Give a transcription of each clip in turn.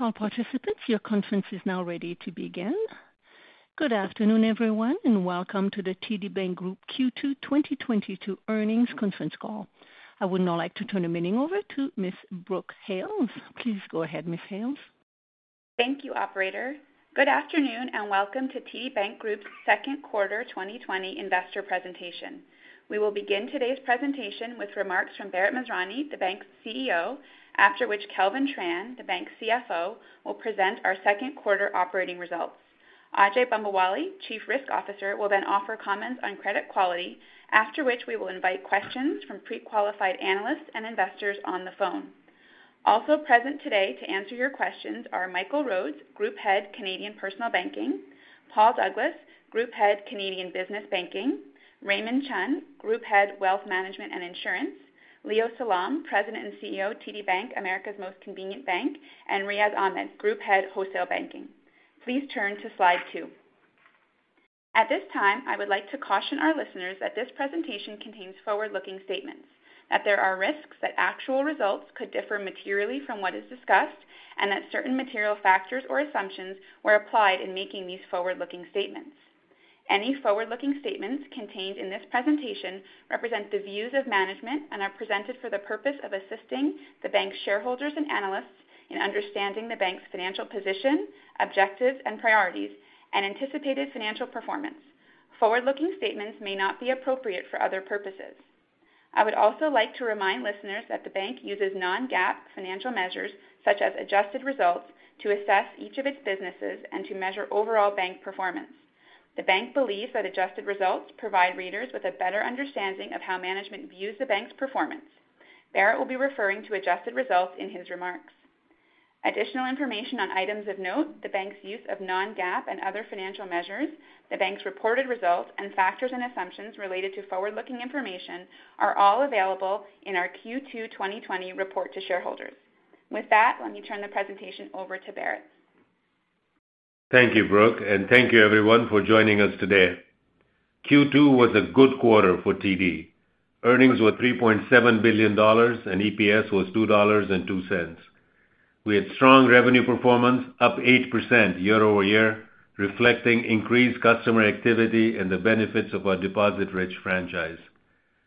All participants, your conference is now ready to begin. Good afternoon, everyone, and welcome to The TD Bank Group Q2 2022 Earnings Conference Call. I would now like to turn the meeting over to Ms. Brooke Hales. Please go ahead, Ms. Hales. Thank you, operator. Good afternoon, and welcome to TD Bank Group's Second Quarter 2020 Investor Presentation. We will begin today's presentation with remarks from Bharat Masrani, the bank's CEO, after which Kelvin Tran, the bank's CFO, will present our second quarter operating results. Ajai Bambawale, Chief Risk Officer, will then offer comments on credit quality, after which we will invite questions from pre-qualified analysts and investors on the phone. Also present today to answer your questions are Michael Rhodes, Group Head, Canadian Personal Banking, Paul Douglas, Group Head, Canadian Business Banking, Raymond Chun, Group Head, Wealth Management and Insurance, Leo Salom, President and CEO, TD Bank, America's Most Convenient Bank, and Riaz Ahmed, Group Head, Wholesale Banking. Please turn to slide two. At this time, I would like to caution our listeners that this presentation contains forward-looking statements, that there are risks that actual results could differ materially from what is discussed, and that certain material factors or assumptions were applied in making these forward-looking statements. Any forward-looking statements contained in this presentation represent the views of management and are presented for the purpose of assisting the bank's shareholders and analysts in understanding the bank's financial position, objectives and priorities and anticipated financial performance. Forward-looking statements may not be appropriate for other purposes. I would also like to remind listeners that the bank uses non-GAAP financial measures, such as adjusted results, to assess each of its businesses and to measure overall bank performance. The bank believes that adjusted results provide readers with a better understanding of how management views the bank's performance. Bharat Masrani will be referring to adjusted results in his remarks. Additional information on items of note, the bank's use of non-GAAP and other financial measures, the bank's reported results, and factors and assumptions related to forward-looking information are all available in our Q2 2020 report to shareholders. With that, let me turn the presentation over to Bharat Masrani. Thank you, Brooke. Thank you everyone for joining us today. Q2 was a good quarter for TD. Earnings were 3.7 billion dollars and EPS was 2.02 dollars. We had strong revenue performance, up 8% year-over-year, reflecting increased customer activity and the benefits of our deposit-rich franchise.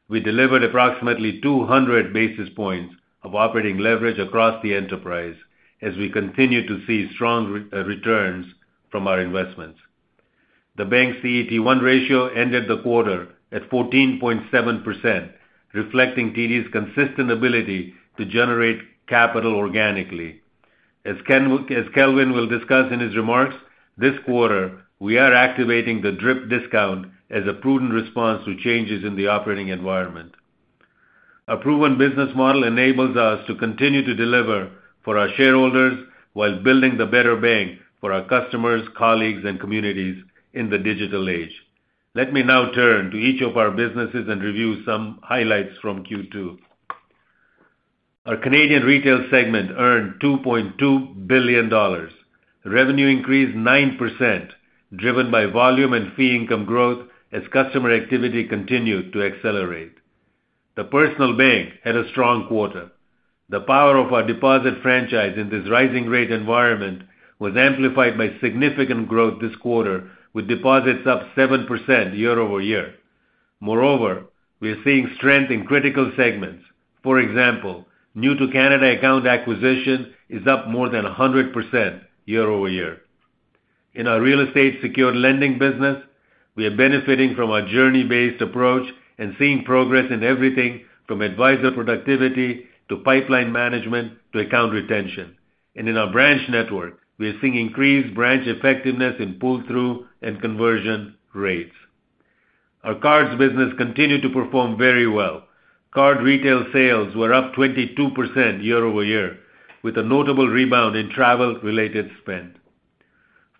We delivered approximately 200 basis points of operating leverage across the enterprise as we continue to see strong returns from our investments. The bank's CET1 ratio ended the quarter at 14.7%, reflecting TD's consistent ability to generate capital organically. As Kelvin will discuss in his remarks, this quarter, we are activating the DRIP discount as a prudent response to changes in the operating environment. Our proven business model enables us to continue to deliver for our shareholders while building the better bank for our customers, colleagues, and communities in the digital age. Let me now turn to each of our businesses and review some highlights from Q2. Our Canadian retail segment earned 2.2 billion dollars. Revenue increased 9%, driven by volume and fee income growth as customer activity continued to accelerate. The personal bank had a strong quarter. The power of our deposit franchise in this rising rate environment was amplified by significant growth this quarter, with deposits up 7% year-over-year. Moreover, we are seeing strength in critical segments. For example, new to Canada account acquisition is up more than 100% year-over-year. In our real estate secured lending business, we are benefiting from our journey-based approach and seeing progress in everything from advisor productivity to pipeline management to account retention. In our branch network, we are seeing increased branch effectiveness in pull-through and conversion rates. Our cards business continued to perform very well. Card retail sales were up 22% year-over-year, with a notable rebound in travel-related spend.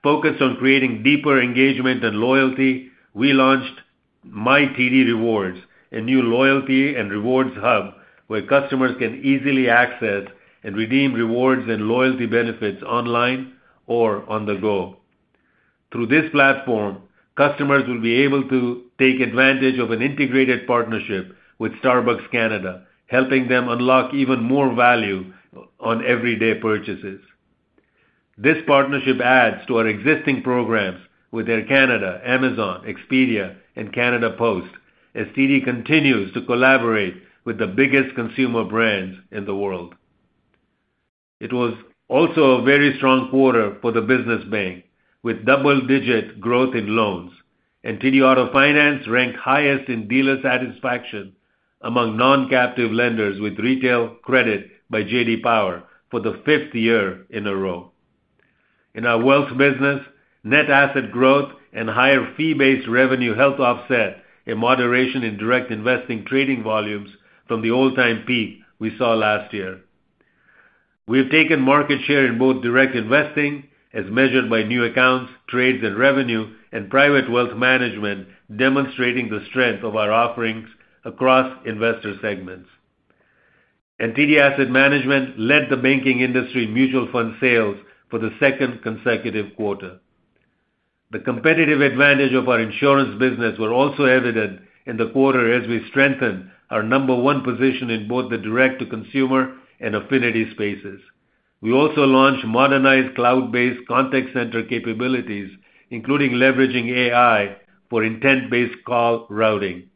Focused on creating deeper engagement and loyalty, we launched My TD Rewards, a new loyalty and rewards hub where customers can easily access and redeem rewards and loyalty benefits online or on the go. Through this platform, customers will be able to take advantage of an integrated partnership with Starbucks Canada, helping them unlock even more value on everyday purchases. This partnership adds to our existing programs with Air Canada, Amazon, Expedia and Canada Post as TD continues to collaborate with the biggest consumer brands in the world. It was also a very strong quarter for the business bank, with double-digit growth in loans. TD Auto Finance ranked highest in dealer satisfaction among non-captive lenders with retail credit by J.D. Power for the fifth year in a row. In our wealth business, net asset growth and higher fee-based revenue helped offset a moderation in direct investing trading volumes from the all-time peak we saw last year. We have taken market share in both direct investing, as measured by new accounts, trades and revenue, and private wealth management, demonstrating the strength of our offerings across investor segments. TD Asset Management led the banking industry mutual fund sales for the second consecutive quarter. The competitive advantage of our insurance business were also evident in the quarter as we strengthened our number one position in both the direct to consumer and affinity spaces. We also launched modernized cloud-based contact center capabilities, including leveraging AI for intent-based call routing.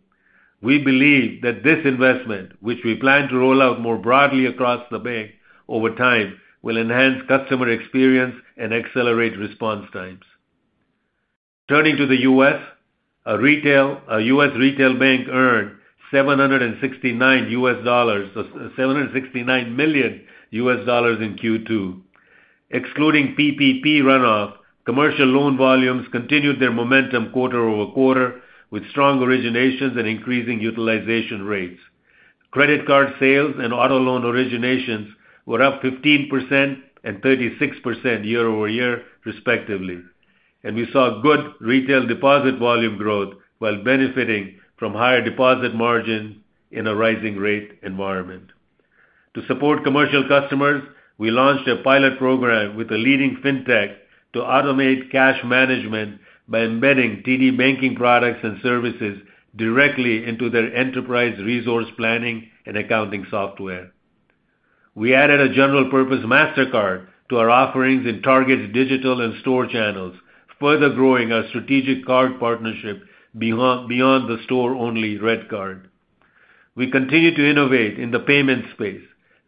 We believe that this investment, which we plan to roll out more broadly across the bank over time, will enhance customer experience and accelerate response times. Turning to the U.S., our U.S. Retail Bank earned $769 million in Q2. Excluding PPP runoff, commercial loan volumes continued their momentum quarter-over-quarter with strong originations and increasing utilization rates. Credit card sales and auto loan originations were up 15% and 36% year-over-year, respectively, and we saw good retail deposit volume growth while benefiting from higher deposit margin in a rising rate environment. To support commercial customers, we launched a pilot program with a leading fintech to automate cash management by embedding TD banking products and services directly into their enterprise resource planning and accounting software. We added a general purpose Mastercard to our offerings in Target's digital and store channels, further growing our strategic card partnership beyond the store-only RedCard. We continue to innovate in the payment space.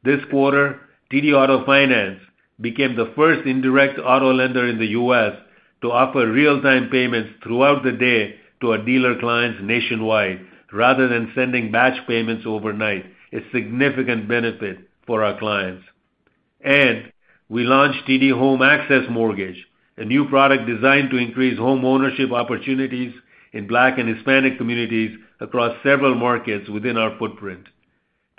This quarter, TD Auto Finance became the first indirect auto lender in the U.S. to offer real-time payments throughout the day to our dealer clients nationwide, rather than sending batch payments overnight, a significant benefit for our clients. We launched TD Home Access Mortgage, a new product designed to increase home ownership opportunities in Black and Hispanic communities across several markets within our footprint.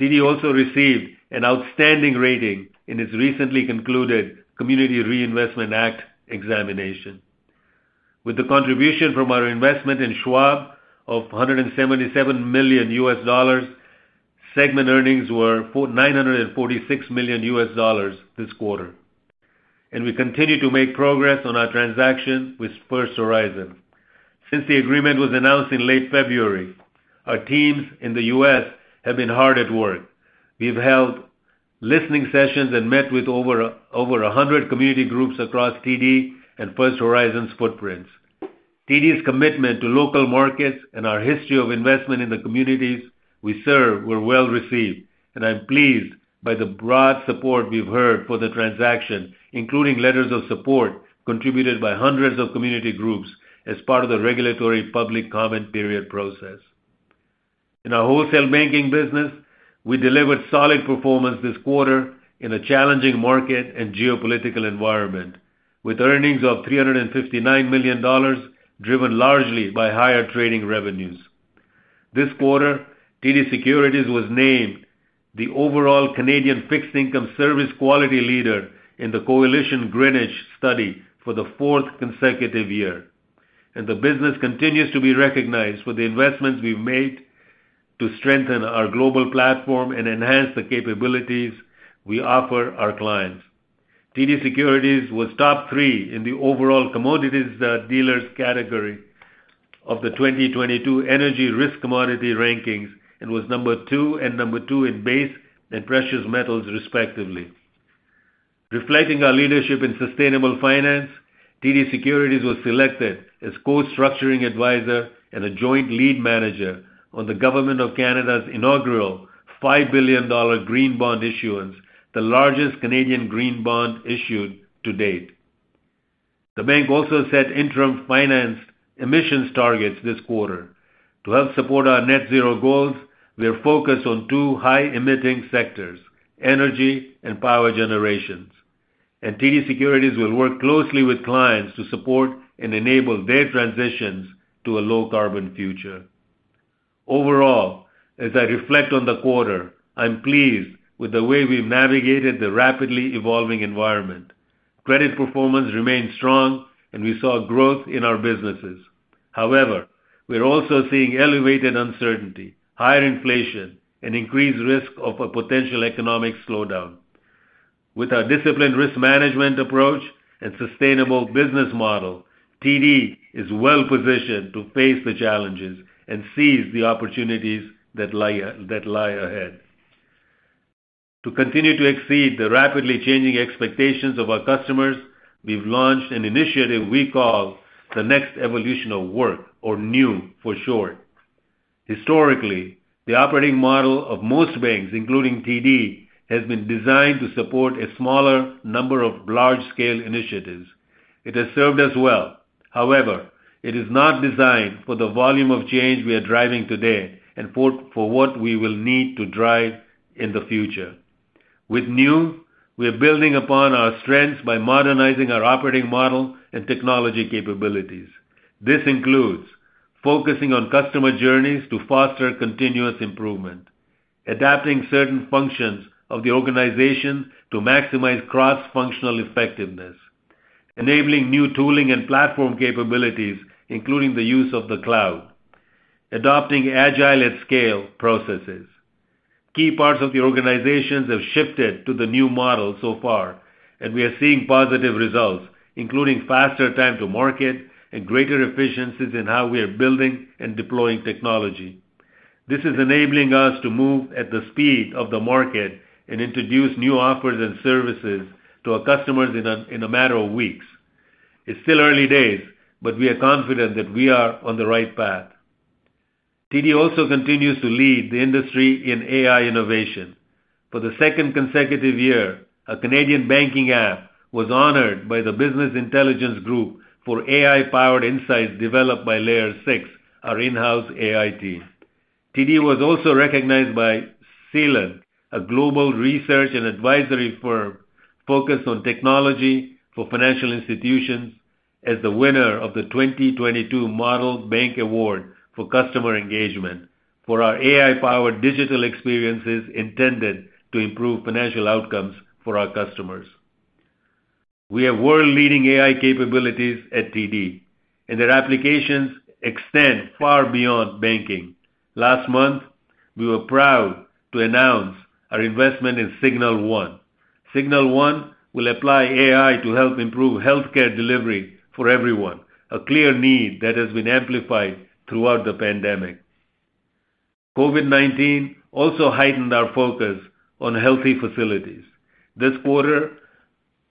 TD also received an outstanding rating in its recently concluded Community Reinvestment Act examination. With the contribution from our investment in Schwab of $177 million, segment earnings were $946 million this quarter, and we continue to make progress on our transaction with First Horizon. Since the agreement was announced in late February, our teams in the U.S. have been hard at work. We've held listening sessions and met with over a hundred community groups across TD and First Horizon's footprints. TD's commitment to local markets and our history of investment in the communities we serve were well-received, and I'm pleased by the broad support we've heard for the transaction, including letters of support contributed by hundreds of community groups as part of the regulatory public comment period process. In our wholesale banking business, we delivered solid performance this quarter in a challenging market and geopolitical environment, with earnings of 359 million dollars, driven largely by higher trading revenues. This quarter, TD Securities was named the overall Canadian fixed income service quality leader in the Coalition Greenwich study for the fourth consecutive year, and the business continues to be recognized for the investments we've made to strengthen our global platform and enhance the capabilities we offer our clients. TD Securities was top three in the overall commodities, dealers category of the 2022 Energy Risk Commodity Rankings and was number two and number two in base and precious metals, respectively. Reflecting our leadership in sustainable finance, TD Securities was selected as co-structuring advisor and a joint lead manager on the government of Canada's inaugural 5 billion dollar green bond issuance, the largest Canadian green bond issued to date. The bank also set interim financed emissions targets this quarter. To help support our net zero goals, we are focused on two high-emitting sectors: energy and power generation. TD Securities will work closely with clients to support and enable their transitions to a low-carbon future. Overall, as I reflect on the quarter, I'm pleased with the way we've navigated the rapidly evolving environment. Credit performance remained strong, and we saw growth in our businesses. However, we're also seeing elevated uncertainty, higher inflation, and increased risk of a potential economic slowdown. With our disciplined risk management approach and sustainable business model, TD is well-positioned to face the challenges and seize the opportunities that lie ahead. To continue to exceed the rapidly changing expectations of our customers, we've launched an initiative we call the Next Evolution of Work or NEW for short. Historically, the operating model of most banks, including TD, has been designed to support a smaller number of large-scale initiatives. It has served us well. However, it is not designed for the volume of change we are driving today and for what we will need to drive in the future. With NEW, we are building upon our strengths by modernizing our operating model and technology capabilities. This includes focusing on customer journeys to foster continuous improvement, adapting certain functions of the organization to maximize cross-functional effectiveness, enabling new tooling and platform capabilities, including the use of the cloud. Adopting agile at scale processes. Key parts of the organizations have shifted to the new model so far, and we are seeing positive results, including faster time to market and greater efficiencies in how we are building and deploying technology. This is enabling us to move at the speed of the market and introduce new offers and services to our customers in a matter of weeks. It's still early days, but we are confident that we are on the right path. TD also continues to lead the industry in AI innovation. For the second consecutive year, a Canadian banking app was honored by the Business Intelligence Group for AI-powered insights developed by Layer 6, our in-house AI team. TD was also recognized by Celent, a global research and advisory firm focused on technology for financial institutions, as the winner of the 2022 Model Bank Award for customer engagement for our AI-powered digital experiences intended to improve financial outcomes for our customers. We have world-leading AI capabilities at TD, and their applications extend far beyond banking. Last month, we were proud to announce our investment in Signal 1. Signal 1 will apply AI to help improve healthcare delivery for everyone, a clear need that has been amplified throughout the pandemic. COVID-19 also heightened our focus on healthy facilities. This quarter,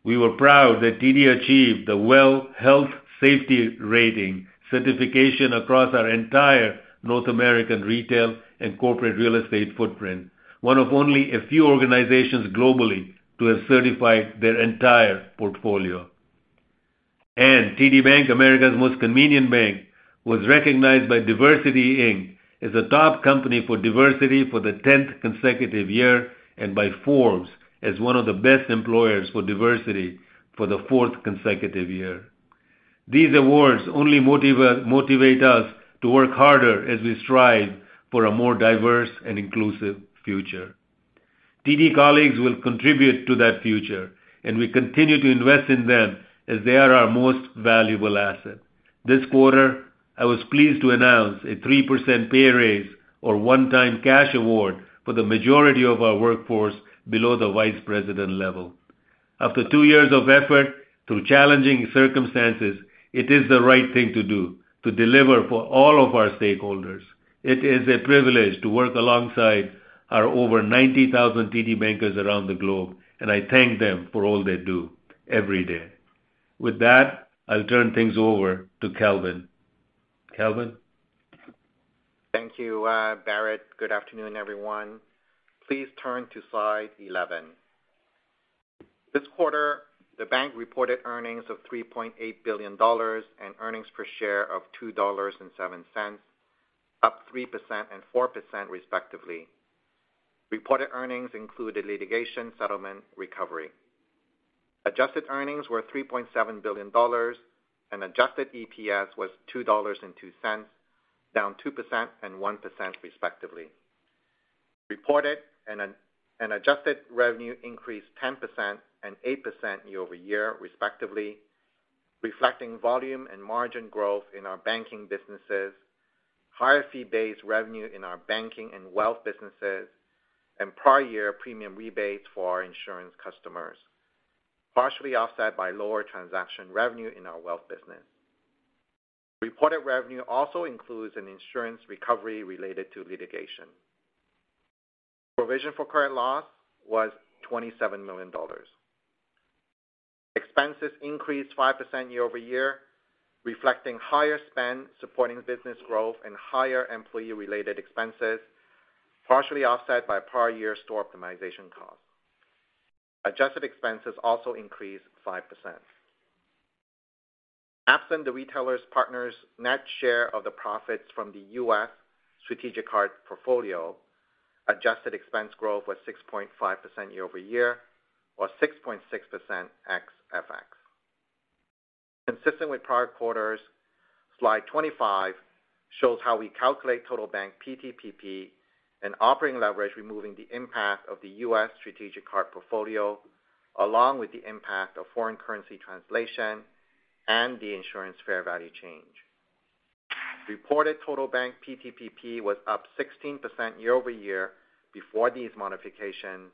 we were proud that TD achieved the WELL Health-Safety Rating certification across our entire North American retail and corporate real estate footprint, one of only a few organizations globally to have certified their entire portfolio. TD Bank, America's Most Convenient Bank, was recognized by DiversityInc as a top company for diversity for the tenth consecutive year and by Forbes as one of the best employers for diversity for the fourth consecutive year. These awards only motivate us to work harder as we strive for a more diverse and inclusive future. TD colleagues will contribute to that future, and we continue to invest in them as they are our most valuable asset. This quarter, I was pleased to announce a 3% pay raise or one-time cash award for the majority of our workforce below the vice president level. After two years of effort through challenging circumstances, it is the right thing to do to deliver for all of our stakeholders. It is a privilege to work alongside our over 90,000 TD bankers around the globe, and I thank them for all they do every day. With that, I'll turn things over to Kelvin. Kelvin? Thank you, Bharat. Good afternoon, everyone. Please turn to slide 11. This quarter, the bank reported earnings of 3.8 billion dollars and earnings per share of 2.07 dollars, up 3% and 4% respectively. Reported earnings included litigation settlement recovery. Adjusted earnings were 3.7 billion dollars, and adjusted EPS was 2.02 dollars, down 2% and 1% respectively. Reported and adjusted revenue increased 10% and 8% year-over-year, respectively, reflecting volume and margin growth in our banking businesses, higher fee-based revenue in our banking and wealth businesses, and prior year premium rebates for our insurance customers, partially offset by lower transaction revenue in our wealth business. Reported revenue also includes an insurance recovery related to litigation. Provision for credit loss was 27 million dollars. Expenses increased 5% year-over-year, reflecting higher spend supporting business growth and higher employee-related expenses, partially offset by prior year store optimization costs. Adjusted expenses also increased 5%. Absent the retailer's partner's net share of the profits from the U.S. strategic card portfolio, adjusted expense growth was 6.5% year-over-year, or 6.6% ex FX. Consistent with prior quarters, slide 25 shows how we calculate total bank PTPP and operating leverage, removing the impact of the U.S. strategic card portfolio, along with the impact of foreign currency translation and the insurance fair value change. Reported total bank PTPP was up 16% year-over-year before these modifications,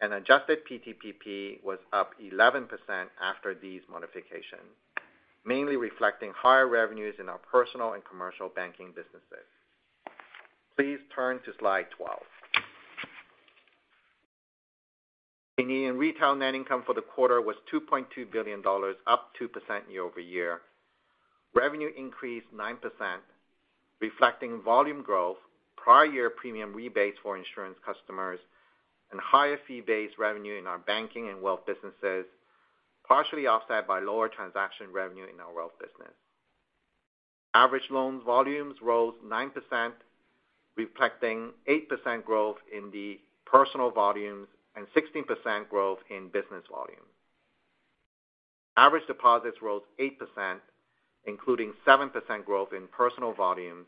and adjusted PTPP was up 11% after these modifications, mainly reflecting higher revenues in our personal and commercial banking businesses. Please turn to slide 12. Canadian retail net income for the quarter was 2.2 billion dollars, up 2% year-over-year. Revenue increased 9%, reflecting volume growth, prior year premium rebates for insurance customers, and higher fee-based revenue in our banking and wealth businesses, partially offset by lower transaction revenue in our wealth business. Average loan volumes rose 9%, reflecting 8% growth in the personal volumes and 16% growth in business volumes. Average deposits rose 8%, including 7% growth in personal volumes,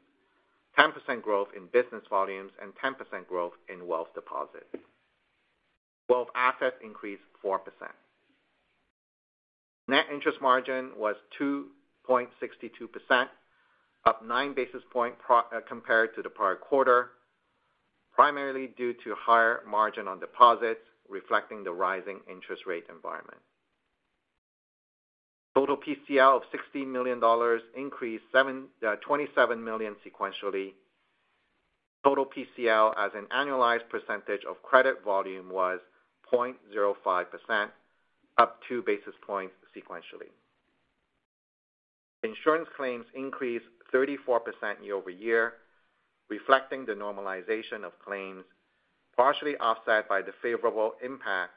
10% growth in business volumes, and 10% growth in wealth deposits. Wealth assets increased 4%. Net interest margin was 2.62%, up 9 basis points compared to the prior quarter, primarily due to higher margin on deposits reflecting the rising interest rate environment. Total PCL of 60 million dollars increased 27 million sequentially. Total PCL as an annualized percentage of credit volume was 0.05%, up 2 basis points sequentially. Insurance claims increased 34% year-over-year, reflecting the normalization of claims, partially offset by the favorable impact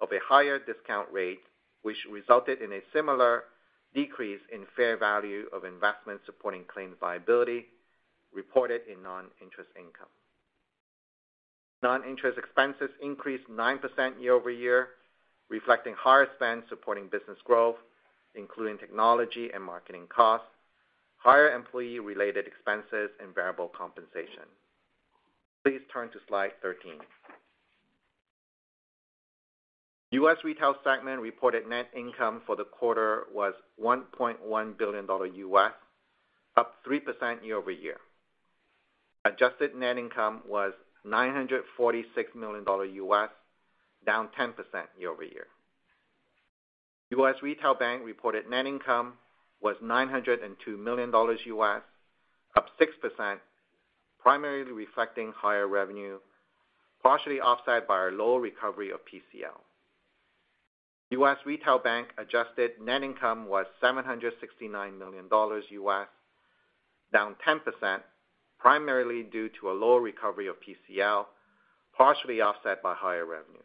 of a higher discount rate, which resulted in a similar decrease in fair value of investments supporting claims viability reported in non-interest income. Non-interest expenses increased 9% year-over-year, reflecting higher spends supporting business growth, including technology and marketing costs, higher employee related expenses and variable compensation. Please turn to slide 13. U.S. Retail segment reported net income for the quarter was $1.1 billion, up 3% year-over-year. Adjusted net income was $946 million, down 10% year-over-year. US Retail Bank reported net income was $902 million, up 6%, primarily reflecting higher revenue, partially offset by our lower recovery of PCL. US Retail Bank adjusted net income was $769 million, down 10%, primarily due to a lower recovery of PCL, partially offset by higher revenue.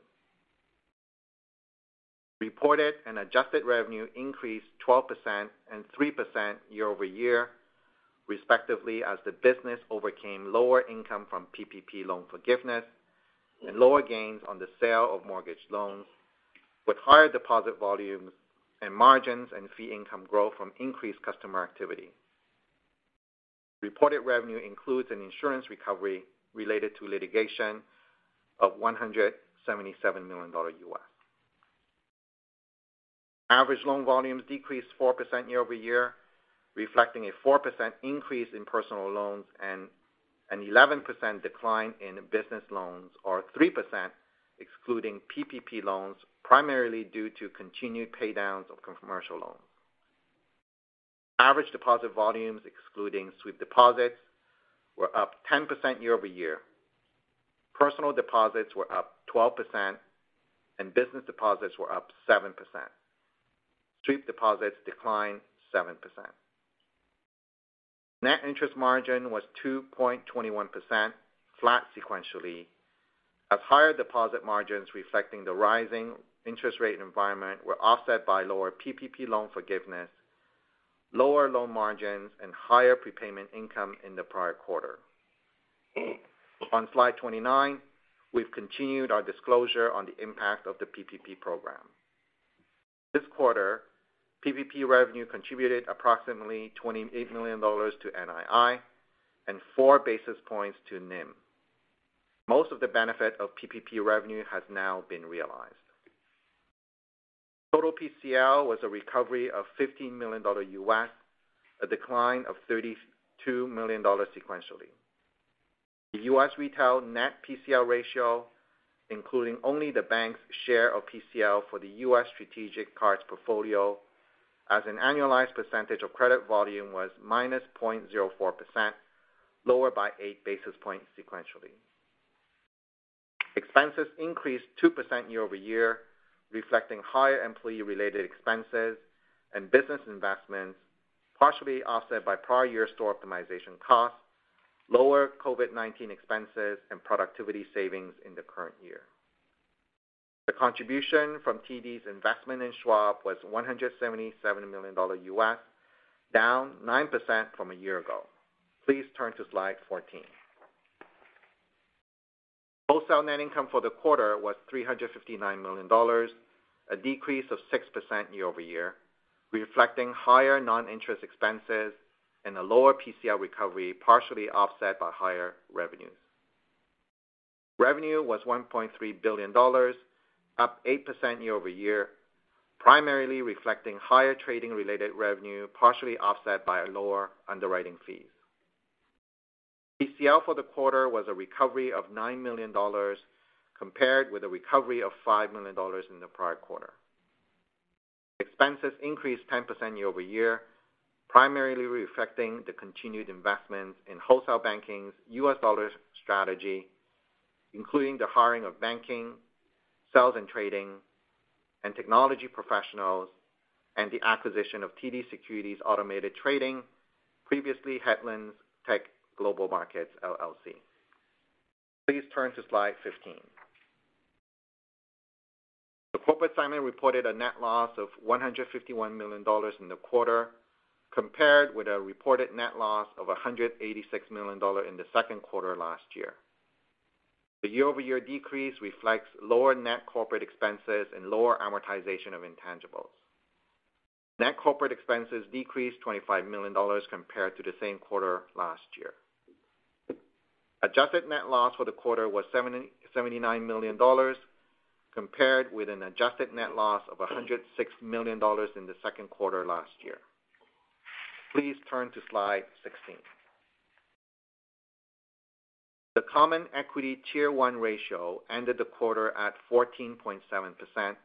Reported and adjusted revenue increased 12% and 3% year-over-year, respectively, as the business overcame lower income from PPP loan forgiveness and lower gains on the sale of mortgage loans, with higher deposit volumes and margins and fee income growth from increased customer activity. Reported revenue includes an insurance recovery related to litigation of $177 million. Average loan volumes decreased 4% year-over-year, reflecting a 4% increase in personal loans and an 11% decline in business loans, or 3% excluding PPP loans, primarily due to continued pay downs of commercial loans. Average deposit volumes excluding sweep deposits were up 10% year-over-year. Personal deposits were up 12% and business deposits were up 7%. Sweep deposits declined 7%. Net interest margin was 2.21%, flat sequentially, as higher deposit margins reflecting the rising interest rate environment were offset by lower PPP loan forgiveness, lower loan margins, and higher prepayment income in the prior quarter. On slide 29, we've continued our disclosure on the impact of the PPP program. This quarter, PPP revenue contributed approximately 28 million dollars to NII and 4 basis points to NIM. Most of the benefit of PPP revenue has now been realized. Total PCL was a recovery of $15 million, a decline of $32 million sequentially. The U.S. Retail net PCL ratio, including only the bank's share of PCL for the U.S. strategic cards portfolio as an annualized percentage of credit volume was -0.04%, lower by eight basis points sequentially. Expenses increased 2% year-over-year, reflecting higher employee-related expenses and business investments, partially offset by prior year store optimization costs, lower COVID-19 expenses, and productivity savings in the current year. The contribution from TD's investment in Schwab was $177 million, down 9% from a year ago. Please turn to slide 14. Wholesale net income for the quarter was 359 million dollars, a decrease of 6% year-over-year, reflecting higher non-interest expenses and a lower PCL recovery, partially offset by higher revenues. Revenue was 1.3 billion dollars, up 8% year-over-year, primarily reflecting higher trading-related revenue, partially offset by lower underwriting fees. PCL for the quarter was a recovery of 9 million dollars compared with a recovery of 5 million dollars in the prior quarter. Expenses increased 10% year-over-year, primarily reflecting the continued investments in Wholesale Banking's U.S. dollar strategy, including the hiring of banking, sales and trading, and technology professionals, and the acquisition of TD Securities Automated Trading, previously Headlands Tech Global Markets, LLC. Please turn to slide 15. The Corporate segment reported a net loss of 151 million dollars in the quarter compared with a reported net loss of 186 million dollars in the second quarter last year. The year-over-year decrease reflects lower net corporate expenses and lower amortization of intangibles. Net corporate expenses decreased 25 million dollars compared to the same quarter last year. Adjusted net loss for the quarter was 79 million dollars, compared with an adjusted net loss of 106 million dollars in the second quarter last year. Please turn to slide 16. The common equity tier one ratio ended the quarter at 14.7%,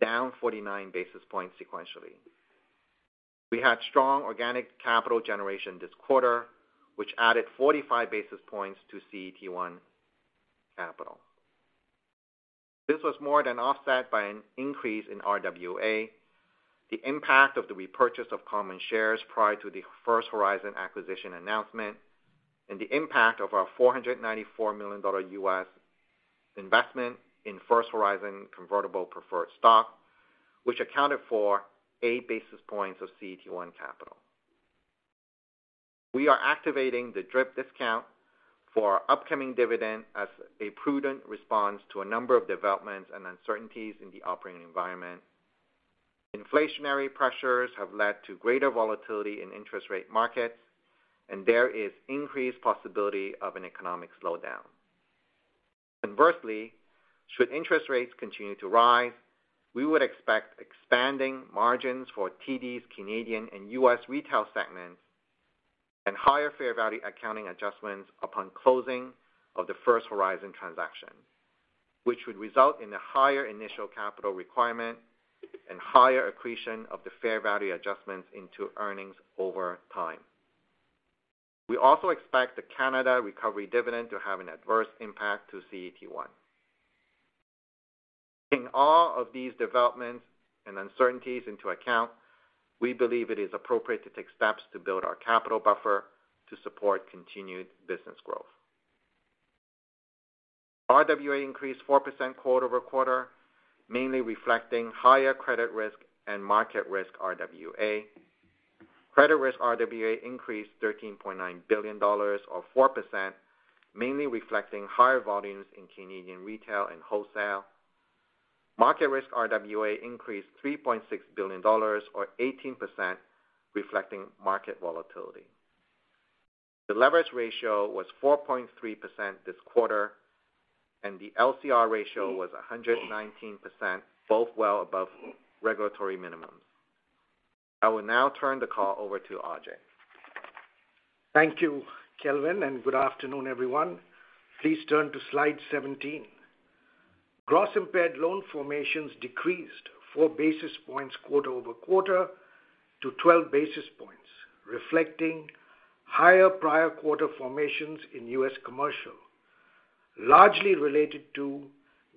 down 49 basis points sequentially. We had strong organic capital generation this quarter, which added 45 basis points to CET1 capital. This was more than offset by an increase in RWA, the impact of the repurchase of common shares prior to the First Horizon acquisition announcement, and the impact of our $494 million U.S. investment in First Horizon convertible preferred stock, which accounted for eight basis points of CET1 capital. We are activating the DRIP discount for our upcoming dividend as a prudent response to a number of developments and uncertainties in the operating environment. Inflationary pressures have led to greater volatility in interest rate markets, and there is increased possibility of an economic slowdown. Inversely, should interest rates continue to rise, we would expect expanding margins for TD's Canadian and U.S. retail segments and higher fair value accounting adjustments upon closing of the First Horizon transaction, which would result in a higher initial capital requirement and higher accretion of the fair value adjustments into earnings over time. We also expect the Canada Recovery Dividend to have an adverse impact to CET1. Taking all of these developments and uncertainties into account, we believe it is appropriate to take steps to build our capital buffer to support continued business growth. RWA increased 4% quarter-over-quarter, mainly reflecting higher credit risk and market risk RWA. Credit risk RWA increased 13.9 billion dollars or 4%, mainly reflecting higher volumes in Canadian retail and wholesale. Market risk RWA increased 3.6 billion dollars or 18%, reflecting market volatility. The leverage ratio was 4.3% this quarter, and the LCR ratio was 119%, both well above regulatory minimums. I will now turn the call over to Ajai. Thank you, Kelvin, and good afternoon, everyone. Please turn to slide 17. Gross impaired loan formations decreased 4 basis points quarter-over-quarter to 12 basis points, reflecting higher prior quarter formations in U.S. commercial, largely related to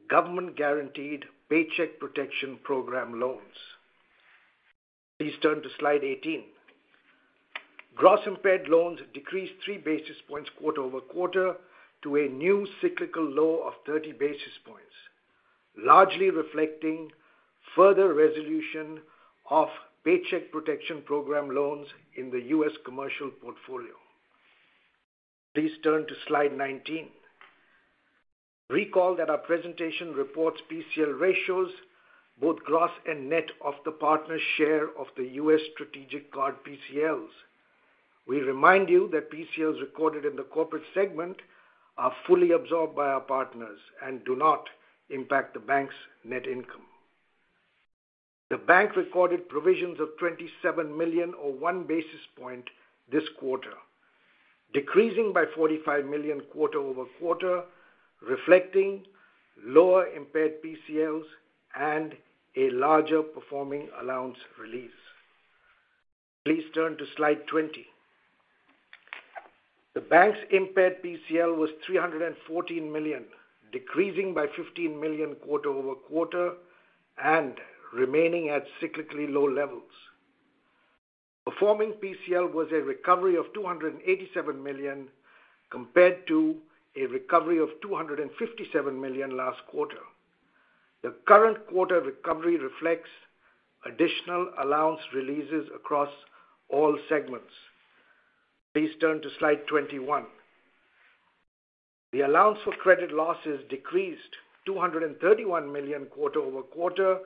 government-guaranteed Paycheck Protection Program loans. Please turn to slide 18. Gross impaired loans decreased 3 basis points quarter-over-quarter to a new cyclical low of 30 basis points, largely reflecting further resolution of Paycheck Protection Program loans in the U.S. commercial portfolio. Please turn to slide 19. Recall that our presentation reports PCL ratios, both gross and net of the partner's share of the U.S. strategic card PCLs. We remind you that PCLs recorded in the corporate segment are fully absorbed by our partners and do not impact the bank's net income. The bank recorded provisions of 27 million or one basis point this quarter, decreasing by 45 million quarter-over-quarter, reflecting lower impaired PCLs and a larger performing allowance release. Please turn to slide 20. The bank's impaired PCL was 314 million, decreasing by 15 million quarter-over-quarter and remaining at cyclically low levels. Performing PCL was a recovery of 287 million, compared to a recovery of 257 million last quarter. The current quarter recovery reflects additional allowance releases across all segments. Please turn to slide 21. The allowance for credit losses decreased 231 million quarter-over-quarter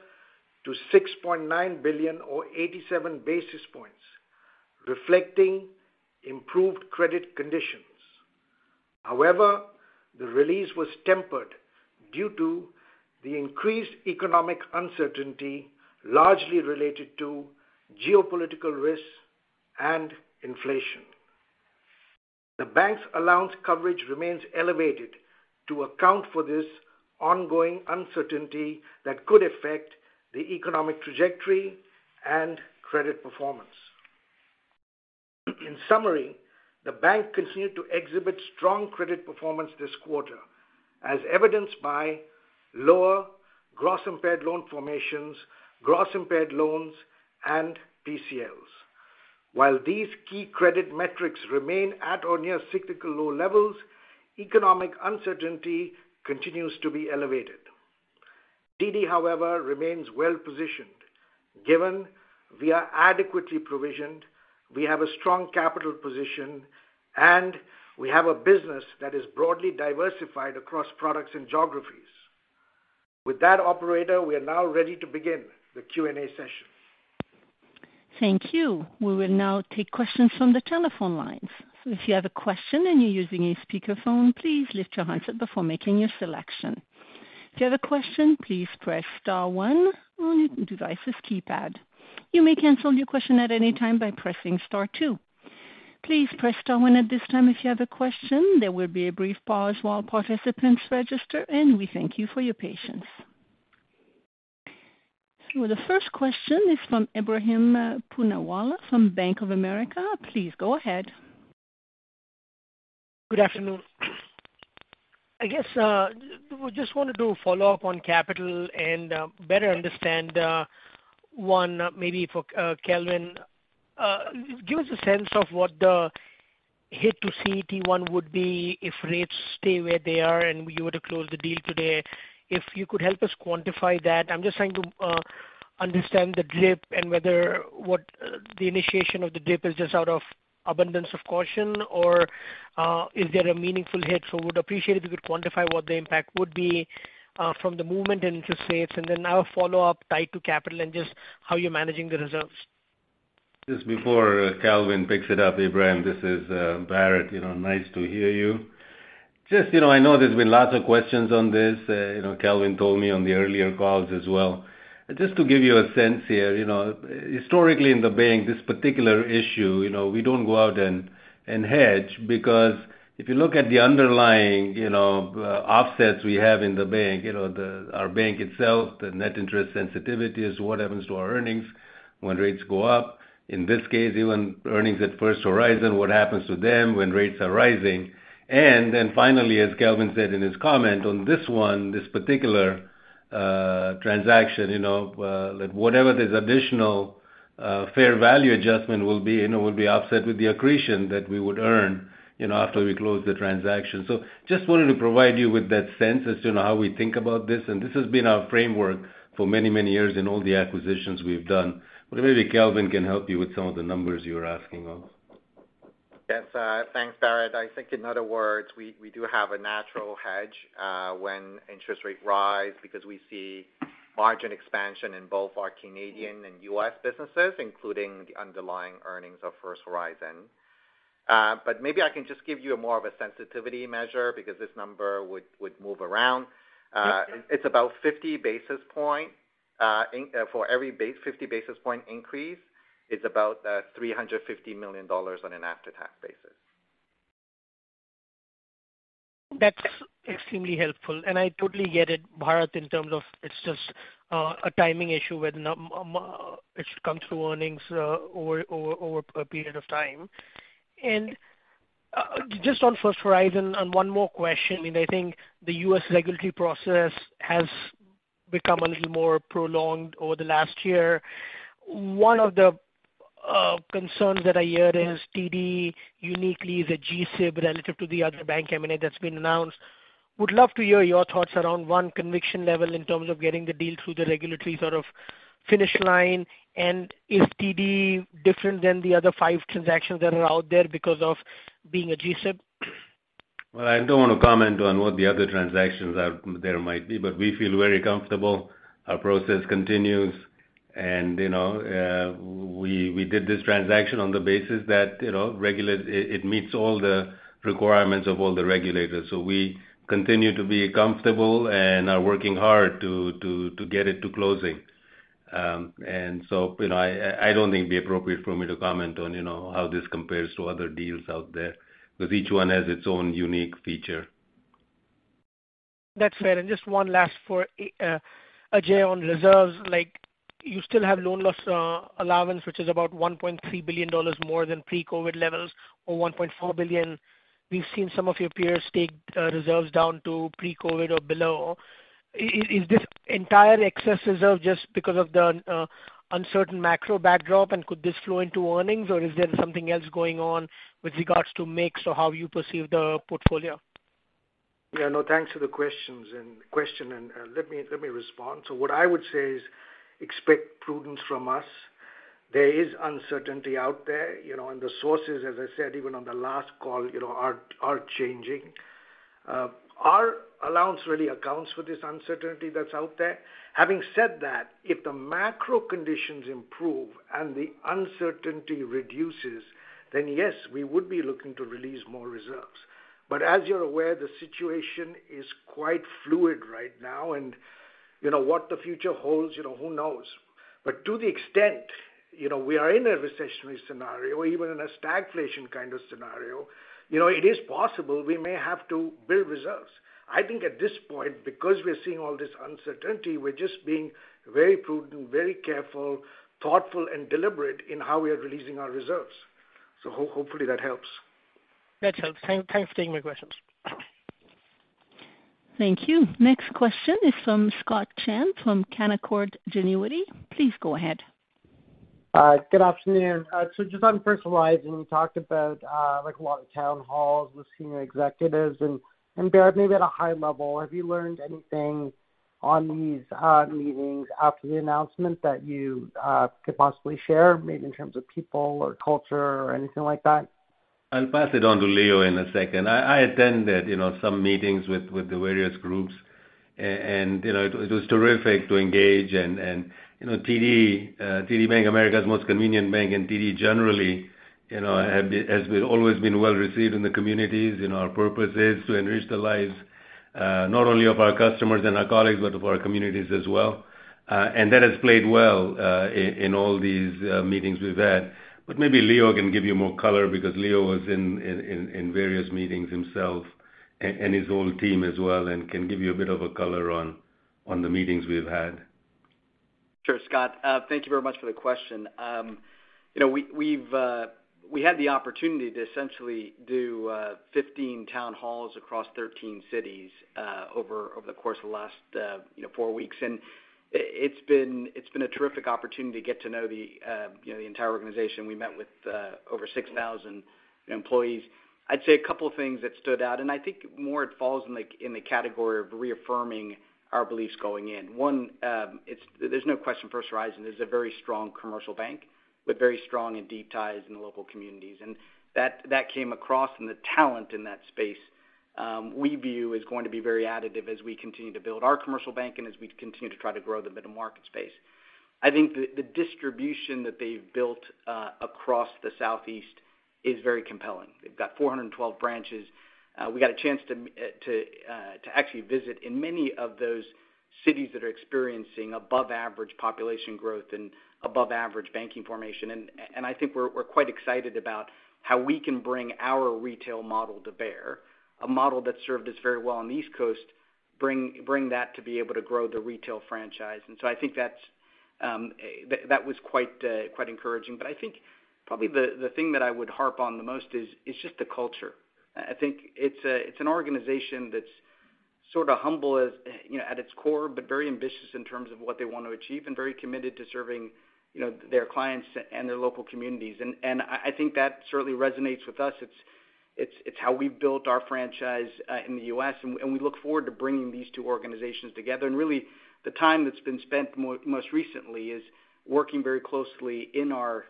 to 6.9 billion or 87 basis points, reflecting improved credit conditions. However, the release was tempered due to the increased economic uncertainty, largely related to geopolitical risks and inflation. The bank's allowance coverage remains elevated to account for this ongoing uncertainty that could affect the economic trajectory and credit performance. In summary, the bank continued to exhibit strong credit performance this quarter, as evidenced by lower gross impaired loan formations, gross impaired loans, and PCLs. While these key credit metrics remain at or near cyclical low levels, economic uncertainty continues to be elevated. TD, however, remains well-positioned, given we are adequately provisioned, we have a strong capital position, and we have a business that is broadly diversified across products and geographies. With that, operator, we are now ready to begin the Q&A session. Thank you. We will now take questions from the telephone lines. If you have a question and you're using a speakerphone, please lift your handset before making your selection. If you have a question, please press star one on your device's keypad. You may cancel your question at any time by pressing star two. Please press star one at this time if you have a question. There will be a brief pause while participants register, and we thank you for your patience. The first question is from Ebrahim Poonawala from Bank of America. Please go ahead. Good afternoon. I guess we just wanted to follow up on capital and better understand one maybe for Kelvin. Give us a sense of what the hit to CET1 would be if rates stay where they are and you were to close the deal today. If you could help us quantify that. I'm just trying to understand the dip and whether what the initiation of the dip is just out of abundance of caution or is there a meaningful hit. Would appreciate if you could quantify what the impact would be from the movement in interest rates and then now follow up tied to capital and just how you're managing the reserves. Just before Kelvin picks it up, Ebrahim, this is Bharat. You know, nice to hear you. Just, you know, I know there's been lots of questions on this. You know, Kelvin told me on the earlier calls as well. Just to give you a sense here, you know, historically in the bank, this particular issue, you know, we don't go out and hedge because if you look at the underlying, you know, offsets we have in the bank, you know, our bank itself, the net interest sensitivity is what happens to our earnings when rates go up. In this case, even earnings at First Horizon, what happens to them when rates are rising. Then finally, as Kelvin said in his comment on this one, this particular transaction, you know, that whatever this additional fair value adjustment will be, you know, will be offset with the accretion that we would earn, you know, after we close the transaction. Just wanted to provide you with that sense as to how we think about this, and this has been our framework for many, many years in all the acquisitions we've done. Maybe Kelvin can help you with some of the numbers you're asking of. Yes. Thanks, Bharat. I think in other words, we do have a natural hedge when interest rates rise because we see margin expansion in both our Canadian and U.S. businesses, including the underlying earnings of First Horizon. But maybe I can just give you more of a sensitivity measure because this number would move around. Yes, yes. It's about 50 basis points. For every 50 basis points increase, it's about 350 million dollars on an after-tax basis. That's extremely helpful, and I totally get it, Bharat, in terms of it's just a timing issue whether or not it should come through earnings over a period of time. Just on First Horizon and one more question, I think the U.S. regulatory process has become a little more prolonged over the last year. One of the concerns that I hear is TD uniquely is a GSIB relative to the other bank M&A that's been announced. Would love to hear your thoughts around one conviction level in terms of getting the deal through the regulatory sort of finish line and is TD different than the other five transactions that are out there because of being a GSIB? Well, I don't want to comment on what the other transactions out there might be, but we feel very comfortable. Our process continues and, you know, we did this transaction on the basis that, you know, it meets all the requirements of all the regulators. We continue to be comfortable and are working hard to get it to closing. You know, I don't think it'd be appropriate for me to comment on, you know, how this compares to other deals out there because each one has its own unique feature. That's fair. Just one last for Ajai on reserves, like you still have loan loss allowance, which is about 1.3 billion dollars more than pre-COVID levels or 1.4 billion. We've seen some of your peers take reserves down to pre-COVID or below. Is this entire excess reserve just because of the uncertain macro backdrop, and could this flow into earnings, or is there something else going on with regards to mix or how you perceive the portfolio? Yeah, no, thanks for the question, and let me respond. What I would say is expect prudence from us. There is uncertainty out there, you know, and the sources, as I said even on the last call, you know, are changing. Our allowance really accounts for this uncertainty that's out there. Having said that, if the macro conditions improve and the uncertainty reduces, then yes, we would be looking to release more reserves. As you're aware, the situation is quite fluid right now and, you know, what the future holds, you know, who knows? To the extent, you know, we are in a recessionary scenario or even in a stagflation kind of scenario, you know, it is possible we may have to build reserves. I think at this point, because we're seeing all this uncertainty, we're just being very prudent, very careful, thoughtful and deliberate in how we are releasing our reserves. Hopefully that helps. That helps. Thanks for taking my questions. Thank you. Next question is from Scott Chan from Canaccord Genuity. Please go ahead. Good afternoon. Just on First Horizon, you talked about like a lot of town halls with senior executives. Bharat, maybe at a high level, have you learned anything on these meetings after the announcement that you could possibly share, maybe in terms of people or culture or anything like that? I'll pass it on to Leo in a second. I attended, you know, some meetings with the various groups and, you know, it was terrific to engage. You know, TD Bank, America's Most Convenient Bank, and TD generally, you know, has always been well received in the communities. Our purpose is to enrich the lives, not only of our customers and our colleagues, but of our communities as well. That has played well in all these meetings we've had. Maybe Leo can give you more color because Leo was in various meetings himself and his whole team as well and can give you a bit of a color on the meetings we've had. Sure, Scott. Thank you very much for the question. You know, we had the opportunity to essentially do 15 town halls across 13 cities, over the course of the last four weeks. It's been a terrific opportunity to get to know the, you know, the entire organization. We met with over 6,000 employees. I'd say a couple of things that stood out, and I think more it falls in the category of reaffirming our beliefs going in. One, there's no question First Horizon is a very strong commercial bank with very strong and deep ties in the local communities. That came across. The talent in that space, we view as going to be very additive as we continue to build our commercial bank and as we continue to try to grow the middle market space. I think the distribution that they've built across the Southeast is very compelling. They've got 412 branches. We got a chance to actually visit in many of those cities that are experiencing above-average population growth and above-average banking formation. I think we're quite excited about how we can bring our retail model to bear, a model that served us very well on the East Coast, bring that to be able to grow the retail franchise. I think that was quite encouraging. I think probably the thing that I would harp on the most is just the culture. I think it's an organization that's sort of humble, you know, at its core, but very ambitious in terms of what they want to achieve and very committed to serving, you know, their clients and their local communities. I think that certainly resonates with us. It's how we built our franchise in the US. We look forward to bringing these two organizations together. Really the time that's been spent most recently is working very closely in our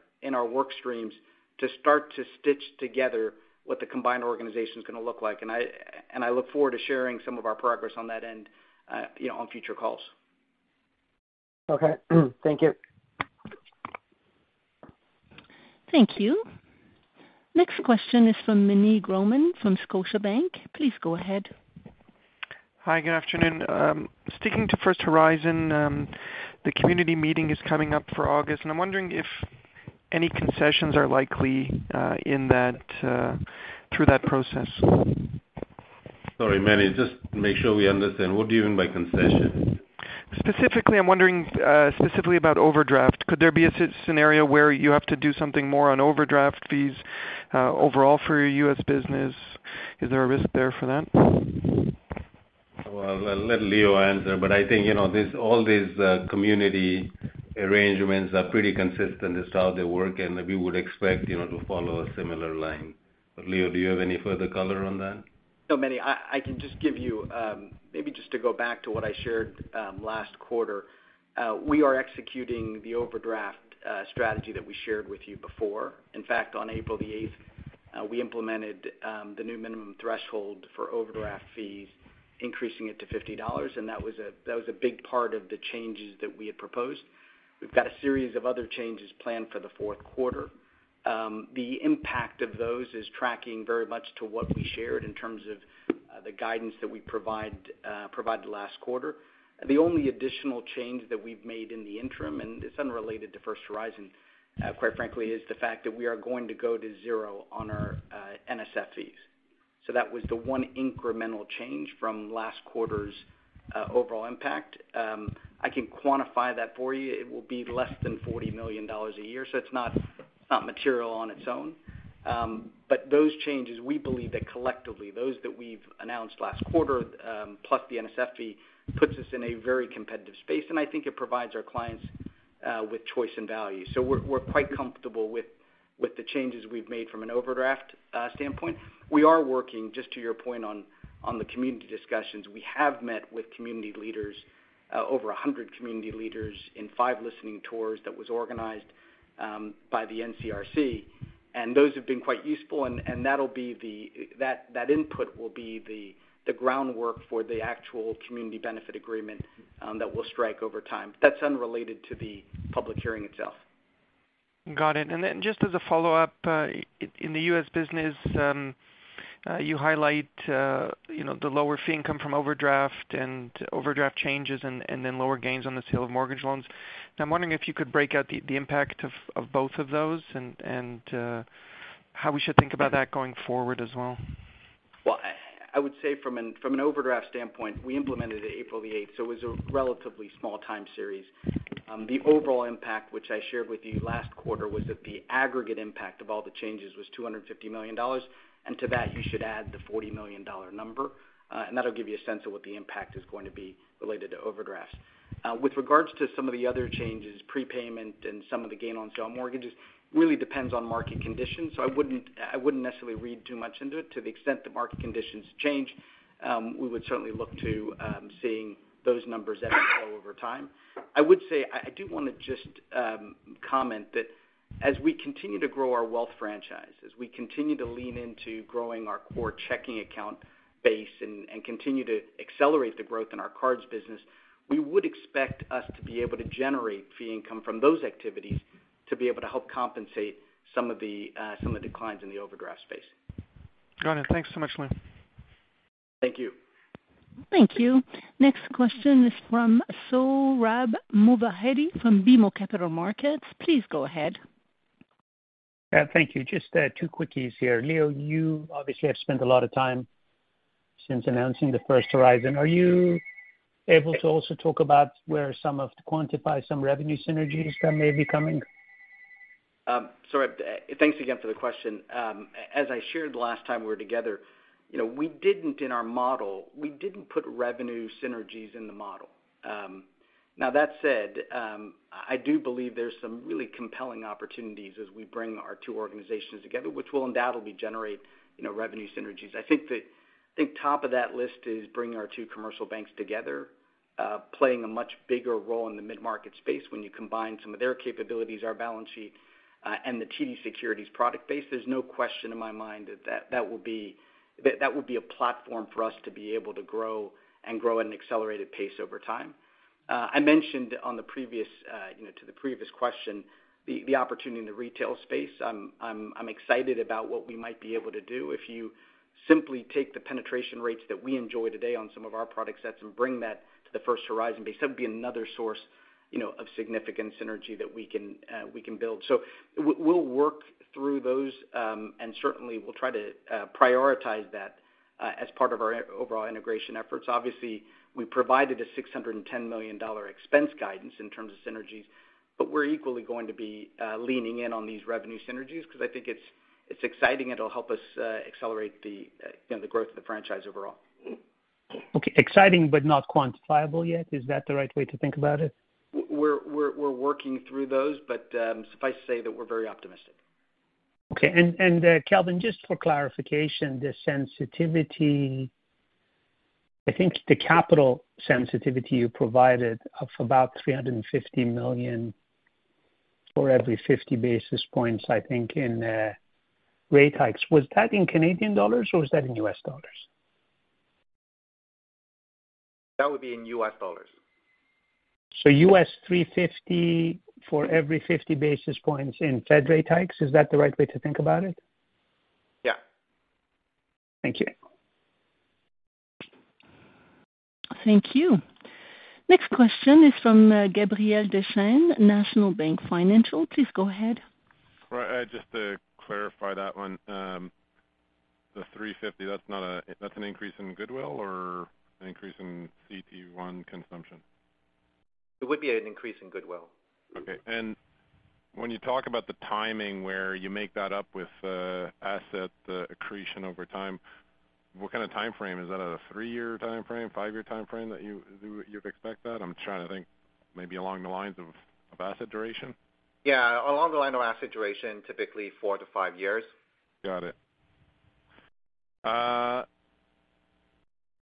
work streams to start to stitch together what the combined organization is gonna look like. I look forward to sharing some of our progress on that end, you know, on future calls. Okay. Thank you. Thank you. Next question is from Meny Grauman from Scotiabank. Please go ahead. Hi. Good afternoon. Sticking to First Horizon, the community meeting is coming up for August, and I'm wondering if any concessions are likely, in that, through that process. Sorry, Meny. Just to make sure we understand, what do you mean by concessions? Specifically, I'm wondering, specifically about overdraft. Could there be a scenario where you have to do something more on overdraft fees, overall for your U.S. business? Is there a risk there for that? Well, I'll let Leo answer, but I think, you know, this, all these, community arrangements are pretty consistent. It's how they work, and we would expect, you know, to follow a similar line. Leo, do you have any further color on that? No, Meny Grauman. I can just give you, maybe just to go back to what I shared last quarter. We are executing the overdraft strategy that we shared with you before. In fact, on April the eighth, we implemented the new minimum threshold for overdraft fees, increasing it to $50, and that was a big part of the changes that we had proposed. We've got a series of other changes planned for the fourth quarter. The impact of those is tracking very much to what we shared in terms of the guidance that we provided last quarter. The only additional change that we've made in the interim, and it's unrelated to First Horizon, quite frankly, is the fact that we are going to go to zero on our NSF fees. That was the one incremental change from last quarter's overall impact. I can quantify that for you. It will be less than 40 million dollars a year, so it's not material on its own. Those changes, we believe that collectively, those that we've announced last quarter, plus the NSF fee, puts us in a very competitive space, and I think it provides our clients with choice and value. We're quite comfortable with the changes we've made from an overdraft standpoint. We are working just to your point on the community discussions. We have met with community leaders over 100 community leaders in five listening tours that was organized by the NCRC, and those have been quite useful. That'll be the groundwork for the actual community benefit agreement that we'll strike over time. That's unrelated to the public hearing itself. Got it. Then just as a follow-up, in the U.S. business, you highlight, you know, the lower fee income from overdraft and overdraft changes and then lower gains on the sale of mortgage loans. I'm wondering if you could break out the impact of both of those and how we should think about that going forward as well. Well, I would say from an overdraft standpoint, we implemented it April 8, so it was a relatively small time series. The overall impact which I shared with you last quarter was that the aggregate impact of all the changes was 250 million dollars. To that, you should add the 40 million dollar number, and that'll give you a sense of what the impact is going to be related to overdrafts. With regards to some of the other changes, prepayment and some of the gain on sale mortgages, really depends on market conditions. I wouldn't necessarily read too much into it. To the extent the market conditions change, we would certainly look to seeing those numbers ebb and flow over time. I would say I do wanna just comment that as we continue to grow our wealth franchise, as we continue to lean into growing our core checking account base and continue to accelerate the growth in our cards business, we would expect us to be able to generate fee income from those activities to be able to help compensate some of the declines in the overdraft space. Got it. Thanks so much, Leo. Thank you. Thank you. Next question is from Sohrab Movahedi from BMO Capital Markets. Please go ahead. Thank you. Just two quickies here. Leo, you obviously have spent a lot of time since announcing the First Horizon. Are you able to also talk about, quantify some revenue synergies that may be coming? Sohrab, thanks again for the question. As I shared last time we were together, you know, we didn't put revenue synergies in our model. Now that said, I do believe there's some really compelling opportunities as we bring our two organizations together, which will undoubtedly generate, you know, revenue synergies. I think top of that list is bringing our two commercial banks together, playing a much bigger role in the mid-market space when you combine some of their capabilities, our balance sheet, and the TD Securities product base. There's no question in my mind that that will be. That would be a platform for us to be able to grow and grow at an accelerated pace over time. I mentioned on the previous, you know, to the previous question, the opportunity in the retail space. I'm excited about what we might be able to do. If you simply take the penetration rates that we enjoy today on some of our product sets and bring that to the First Horizon base, that would be another source, you know, of significant synergy that we can build. We'll work through those, and certainly we'll try to prioritize that, as part of our overall integration efforts. Obviously, we provided a $610 million expense guidance in terms of synergies, but we're equally going to be leaning in on these revenue synergies because I think it's exciting. It'll help us accelerate the, you know, the growth of the franchise overall. Okay. Exciting, but not quantifiable yet. Is that the right way to think about it? We're working through those, but suffice to say that we're very optimistic. Kelvin, just for clarification, the sensitivity. I think the capital sensitivity you provided of about 350 million for every 50 basis points, I think, in rate hikes. Was that in Canadian dollars or was that in U.S. dollars? That would be in U.S. dollars. $350 for every 50 basis points in Fed rate hikes. Is that the right way to think about it? Yeah. Thank you. Thank you. Next question is from, Gabriel Dechaine, National Bank Financial. Please go ahead. Right. Just to clarify that one, the 350, that's an increase in goodwill or an increase in CET1 consumption? It would be an increase in goodwill. Okay. When you talk about the timing, where you make that up with asset accretion over time, what kind of timeframe? Is that a three-year timeframe, five-year timeframe that you'd expect that? I'm trying to think maybe along the lines of asset duration. Yeah, along the line of asset duration, typically four to five years. Got it.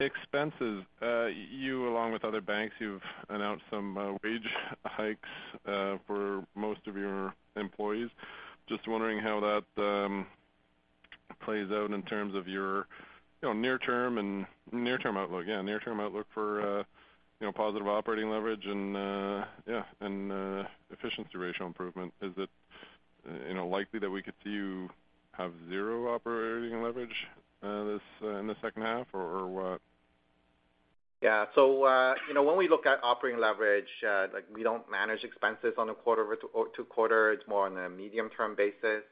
Expenses. You along with other banks, you've announced some wage hikes for most of your employees. Just wondering how that plays out in terms of your, you know, near term and near term outlook. Near term outlook for, you know, positive operating leverage and efficiency ratio improvement. Is it, you know, likely that we could see you have zero operating leverage this in the second half or what? Yeah. You know, when we look at operating leverage, like we don't manage expenses on a quarter-over-quarter or two-quarter basis. It's more on a medium-term basis.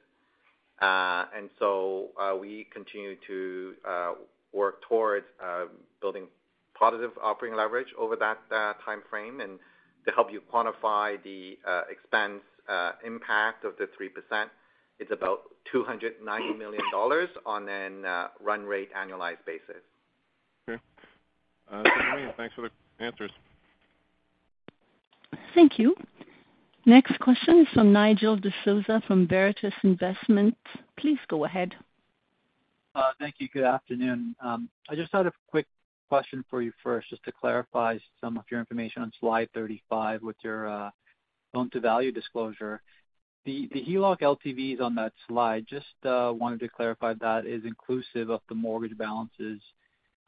We continue to work towards building positive operating leverage over that timeframe. To help you quantify the expense impact of the 3%, it's about 290 million dollars on a run-rate annualized basis. Okay. Thanks for the answers. Thank you. Next question is from Nigel D'Souza from Veritas Investment. Please go ahead. Thank you. Good afternoon. I just had a quick question for you first, just to clarify some of your information on slide 35 with your loan-to-value disclosure. The HELOC LTVs on that slide, just wanted to clarify that is inclusive of the mortgage balances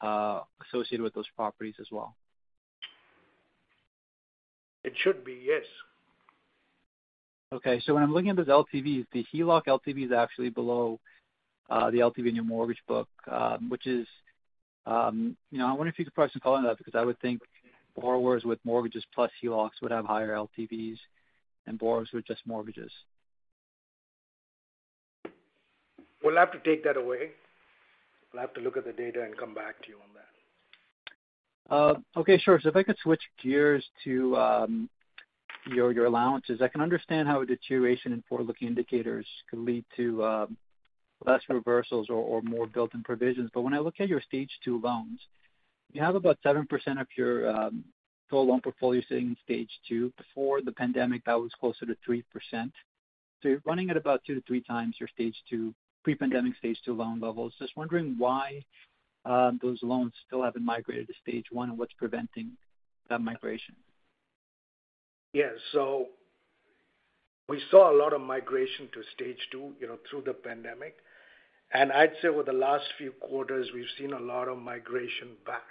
associated with those properties as well. It should be, yes. Okay. When I'm looking at those LTVs, the HELOC LTV is actually below the LTV in your mortgage book, which is, you know, I wonder if you could perhaps comment on that, because I would think borrowers with mortgages plus HELOCs would have higher LTVs than borrowers with just mortgages. We'll have to take that away. We'll have to look at the data and come back to you on that. If I could switch gears to your allowances. I can understand how a deterioration in forward-looking indicators could lead to less reversals or more built-in provisions. But when I look at your Stage 2 loans, you have about 7% of your total loan portfolio sitting in Stage 2. Before the pandemic, that was closer to 3%. You're running at about two to three times your pre-pandemic Stage 2 loan levels. Just wondering why those loans still haven't migrated to Stage 1, and what's preventing that migration? Yeah. We saw a lot of migration to Stage 2, you know, through the pandemic. I'd say over the last few quarters, we've seen a lot of migration back.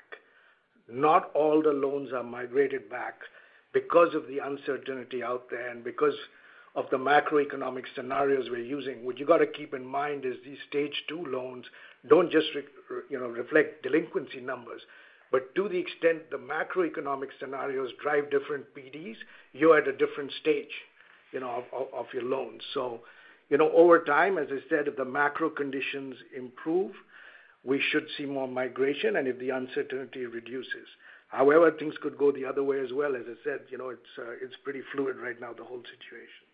Not all the loans are migrated back because of the uncertainty out there and because of the macroeconomic scenarios we're using. What you got to keep in mind is these Stage 2 loans don't just reflect delinquency numbers. To the extent the macroeconomic scenarios drive different PDs, you're at a different stage, you know, of your loans. You know, over time, as I said, if the macro conditions improve, we should see more migration and if the uncertainty reduces. However, things could go the other way as well. As I said, you know, it's pretty fluid right now, the whole situation.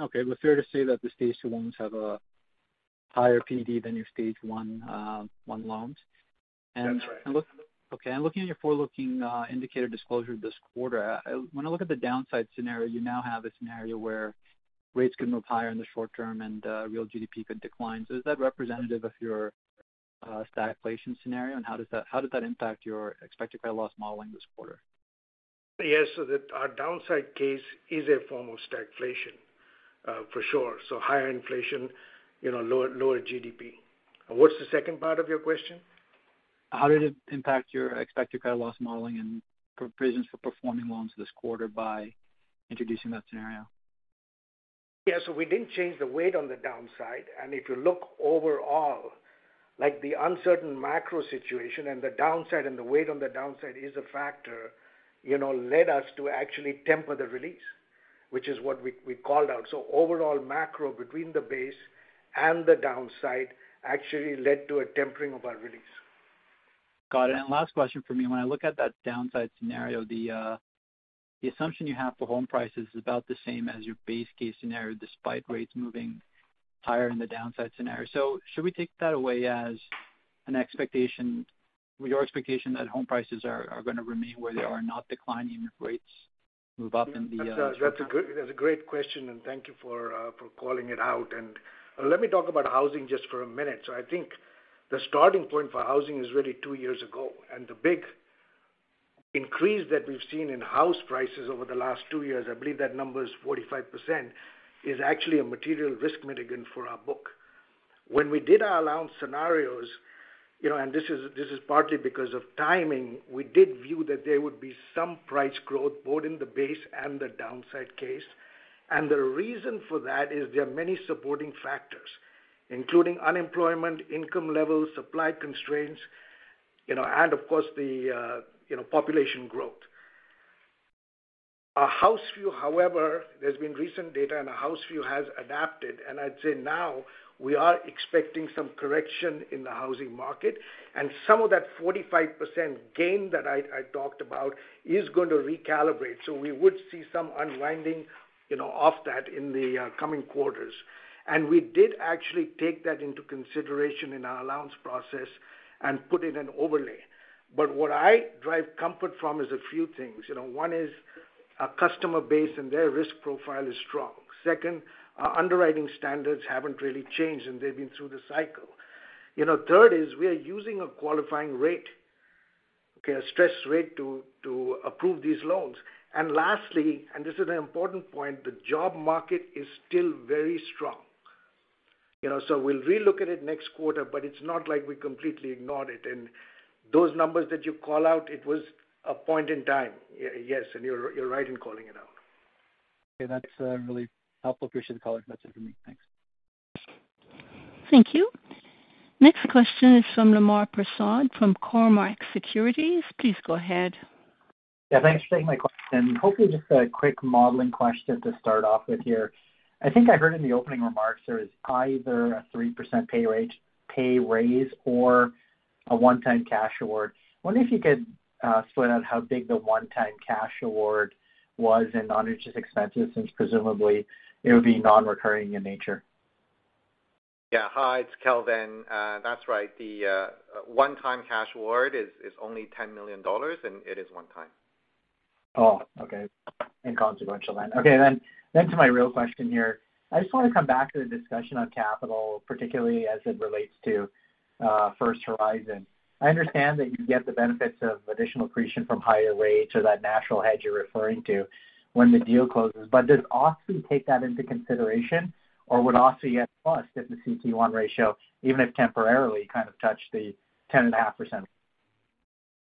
Okay. Fair to say that the Stage 2 loans have a higher PD than your Stage 1 loans. That's right. Looking at your forward-looking indicator disclosure this quarter, when I look at the downside scenario, you now have a scenario where rates could move higher in the short term and real GDP could decline. Is that representative of your stagflation scenario? How did that impact your expected credit loss modeling this quarter? Yes. That our downside case is a form of stagflation, for sure. Higher inflation, you know, lower GDP. What's the second part of your question? How did it impact your expected credit loss modeling and provisions for performing loans this quarter by introducing that scenario? Yeah. We didn't change the weight on the downside. If you look overall, like the uncertain macro situation and the downside and the weight on the downside is a factor, you know, led us to actually temper the release, which is what we called out. Overall macro between the base and the downside actually led to a tempering of our release. Got it. Last question for me. When I look at that downside scenario, the assumption you have for home prices is about the same as your base case scenario despite rates moving higher in the downside scenario. Should we take that away as an expectation, with your expectation that home prices are gonna remain where they are not declining if rates move up in the short term? That's a great question, and thank you for calling it out. Let me talk about housing just for a minute. I think the starting point for housing is really two years ago, and the big increase that we've seen in house prices over the last two years, I believe that number is 45%, is actually a material risk mitigant for our book. When we did our allowance scenarios, you know, and this is partly because of timing, we did view that there would be some price growth both in the base and the downside case. The reason for that is there are many supporting factors, including unemployment, income levels, supply constraints, you know, and of course the population growth. Our house view however, there's been recent data and our house view has adapted, and I'd say now we are expecting some correction in the housing market, and some of that 45% gain that I talked about is going to recalibrate. We would see some unwinding, you know, of that in the coming quarters. We did actually take that into consideration in our allowance process and put in an overlay. What I derive comfort from is a few things. You know, one is our customer base and their risk profile is strong. Second, our underwriting standards haven't really changed, and they've been through the cycle. You know, third is we are using a qualifying rate, okay, a stress rate to approve these loans. Lastly, and this is an important point, the job market is still very strong. You know, so we'll relook at it next quarter, but it's not like we completely ignored it. Those numbers that you call out, it was a point in time. Yes, and you're right in calling it out. Okay. That's really helpful. Appreciate the color. That's it for me. Thanks. Thank you. Next question is from Lemar Persaud from Cormark Securities. Please go ahead. Yeah, thanks for taking my question. Hopefully just a quick modeling question to start off with here. I think I heard in the opening remarks there is either a 3% pay raise or a one-time cash award. Wondering if you could split out how big the one-time cash award was in non-interest expenses, since presumably it would be non-recurring in nature. Hi, it's Kelvin. That's right. The one-time cash award is only 10 million dollars, and it is one time. Okay. Inconsequential then. To my real question here. I just want to come back to the discussion on capital, particularly as it relates to First Horizon. I understand that you get the benefits of additional accretion from higher rates or that natural hedge you're referring to when the deal closes. Does OSFI take that into consideration, or would OSFI get fussed if the CET1 ratio, even if temporarily, kind of touched the 10.5%?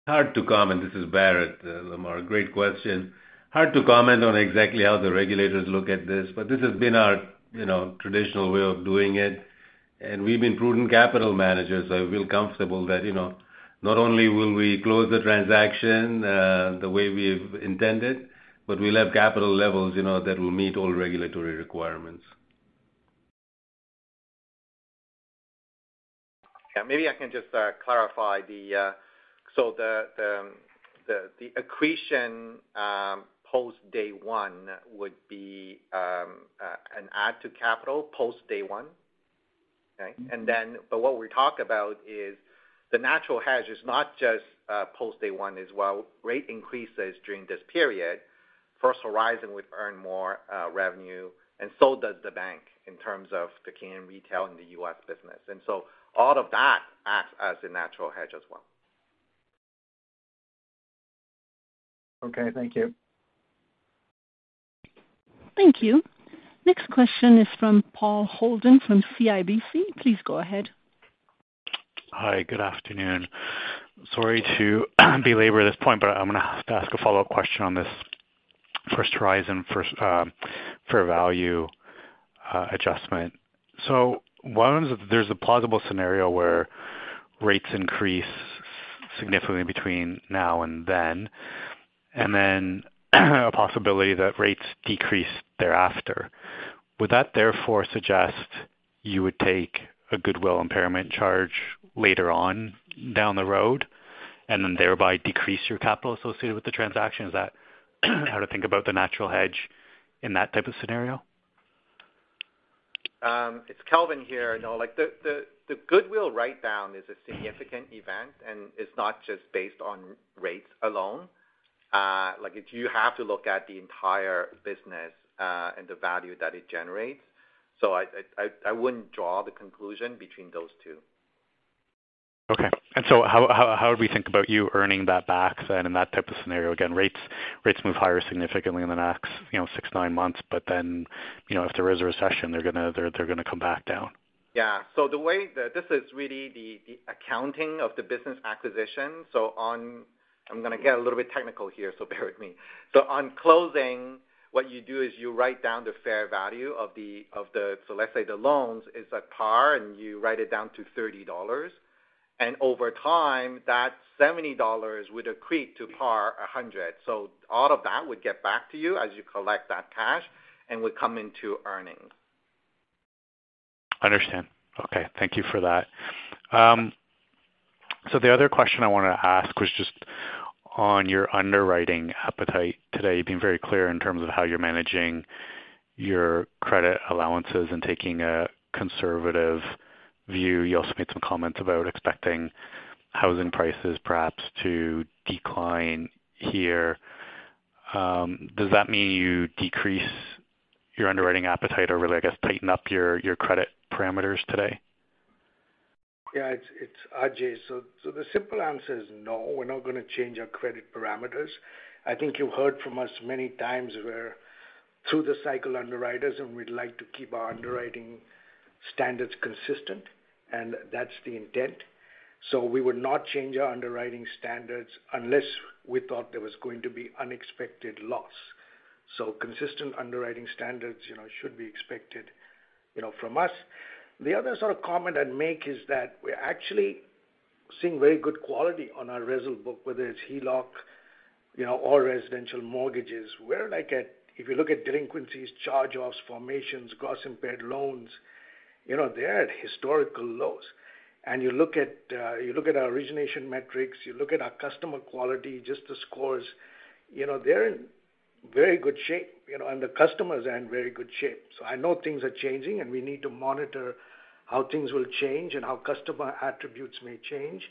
Hard to comment. This is Bharat Masrani, Lemar Persaud. Great question. Hard to comment on exactly how the regulators look at this, but this has been our, you know, traditional way of doing it, and we've been prudent capital managers. I feel comfortable that, you know, not only will we close the transaction the way we've intended, but we'll have capital levels, you know, that will meet all regulatory requirements. Yeah, maybe I can just clarify the accretion post day one would be an add to capital post day one. What we talk about is the natural hedge is not just post day one as well. Rate increases during this period. First Horizon would earn more revenue, and so does the bank in terms of the Canadian retail in the U.S. business. All of that acts as a natural hedge as well. Okay, thank you. Thank you. Next question is from Paul Holden from CIBC. Please go ahead. Hi, good afternoon. Sorry to belabor this point, but I'm gonna ask a follow-up question on this First Horizon first, fair value, adjustment. One is if there's a plausible scenario where rates increase significantly between now and then, and then a possibility that rates decrease thereafter. Would that therefore suggest you would take a goodwill impairment charge later on down the road and then thereby decrease your capital associated with the transaction? Is that how to think about the natural hedge in that type of scenario? It's Kelvin here. No, like the goodwill write down is a significant event, and it's not just based on rates alone. Like if you have to look at the entire business, and the value that it generates. I wouldn't draw the conclusion between those two. Okay. How do we think about you earning that back then in that type of scenario? Again, rates move higher significantly in the next, you know, six, nine months, but then, you know, if there is a recession, they're gonna come back down. This is really the accounting of the business acquisition. I'm gonna get a little bit technical here, so bear with me. On closing, what you do is you write down the fair value of the loans. Let's say the loans is at par, and you write it down to $30, and over time, that $70 would accrete to par a hundred. All of that would get back to you as you collect that cash and would come into earnings. Understand. Okay, thank you for that. So the other question I wanna ask was just on your underwriting appetite today. You've been very clear in terms of how you're managing your credit allowances and taking a conservative view. You also made some comments about expecting housing prices perhaps to decline here. Does that mean you decrease your underwriting appetite or really, I guess, tighten up your credit parameters today? Yeah, it's Ajai. The simple answer is no, we're not gonna change our credit parameters. I think you heard from us many times we're through the cycle underwriters, and we'd like to keep our underwriting standards consistent, and that's the intent. We would not change our underwriting standards unless we thought there was going to be unexpected loss. Consistent underwriting standards, you know, should be expected, you know, from us. The other sort of comment I'd make is that we're actually seeing very good quality on our resi book, whether it's HELOC, you know, or residential mortgages, where, like, if you look at delinquencies, charge-offs, formations, gross impaired loans, you know, they're at historical lows. You look at our origination metrics, you look at our customer quality, just the scores, you know, they're in very good shape, you know, and the customers are in very good shape. I know things are changing, and we need to monitor how things will change and how customer attributes may change.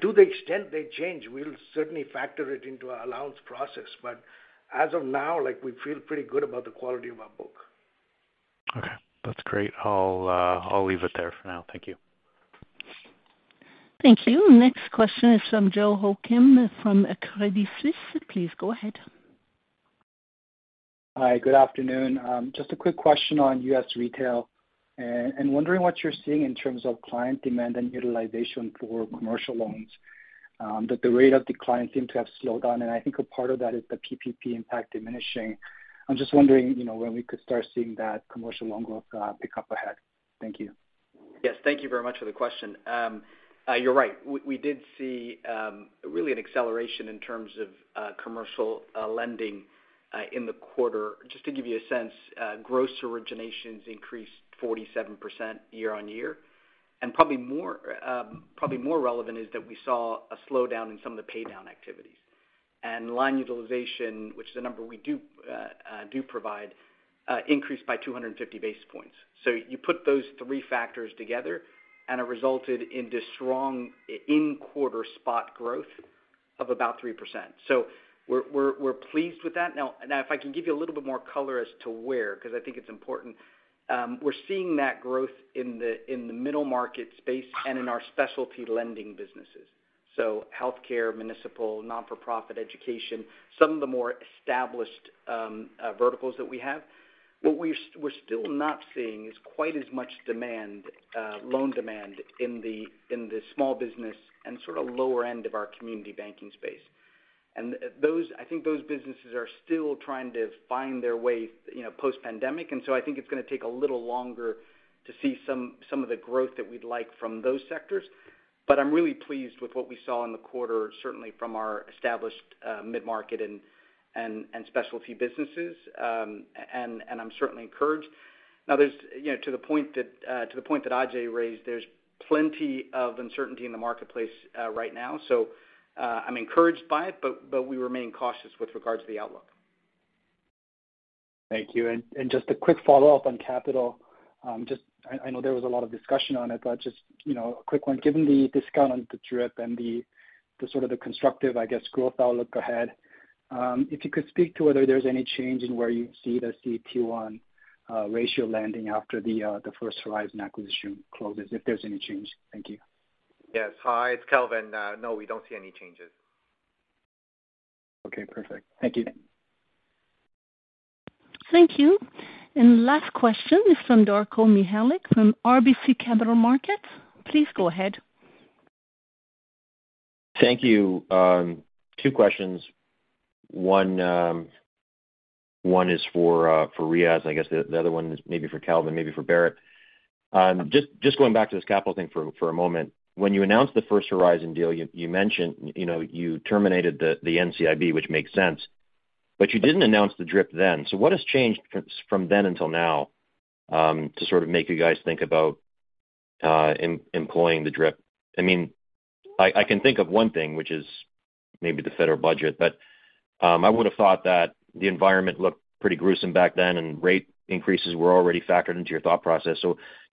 To the extent they change, we'll certainly factor it into our allowance process. As of now, like, we feel pretty good about the quality of our book. Okay, that's great. I'll leave it there for now. Thank you. Thank you. Next question is from Joo Ho Kim from Credit Suisse. Please go ahead. Hi, good afternoon. Just a quick question on U.S. retail. Wondering what you're seeing in terms of client demand and utilization for commercial loans, that the rate of decline seem to have slowed down, and I think a part of that is the PPP impact diminishing. I'm just wondering, you know, when we could start seeing that commercial loan growth, pick up ahead. Thank you. Yes, thank you very much for the question. You're right. We did see really an acceleration in terms of commercial lending in the quarter. Just to give you a sense, gross originations increased 47% year-on-year. Probably more relevant is that we saw a slowdown in some of the pay down activities. Line utilization, which is a number we do provide, increased by 250 basis points. You put those three factors together and it resulted in this strong in-quarter spot growth of about 3%. We're pleased with that. If I can give you a little bit more color as to where, because I think it's important, we're seeing that growth in the middle market space and in our specialty lending businesses. Healthcare, municipal, not-for-profit education, some of the more established verticals that we have. What we're still not seeing is quite as much demand, loan demand in the small business and sort of lower end of our community banking space. I think those businesses are still trying to find their way, you know, post-pandemic. I think it's gonna take a little longer to see some of the growth that we'd like from those sectors. I'm really pleased with what we saw in the quarter, certainly from our established mid-market and specialty businesses. I'm certainly encouraged. Now there's, you know, to the point that Ajai raised, there's plenty of uncertainty in the marketplace right now. I'm encouraged by it, but we remain cautious with regards to the outlook. Thank you. Just a quick follow-up on capital. I know there was a lot of discussion on it, but just, you know, a quick one. Given the discount on the DRIP and the sort of the constructive, I guess, growth outlook ahead, if you could speak to whether there's any change in where you see the CET1 ratio landing after the First Horizon acquisition closes, if there's any change. Thank you. Yes. Hi, it's Kelvin. No, we don't see any changes. Okay, perfect. Thank you. Thank you. Last question is from Darko Mihelic from RBC Capital Markets. Please go ahead. Thank you. Two questions. One is for Riaz. I guess the other one is maybe for Kelvin, maybe for Bharat. Just going back to this capital thing for a moment. When you announced the First Horizon deal, you mentioned, you know, you terminated the NCIB, which makes sense, but you didn't announce the DRIP then. What has changed from then until now to sort of make you guys think about employing the DRIP? I mean, I can think of one thing, which is maybe the federal budget, but I would've thought that the environment looked pretty gruesome back then, and rate increases were already factored into your thought process.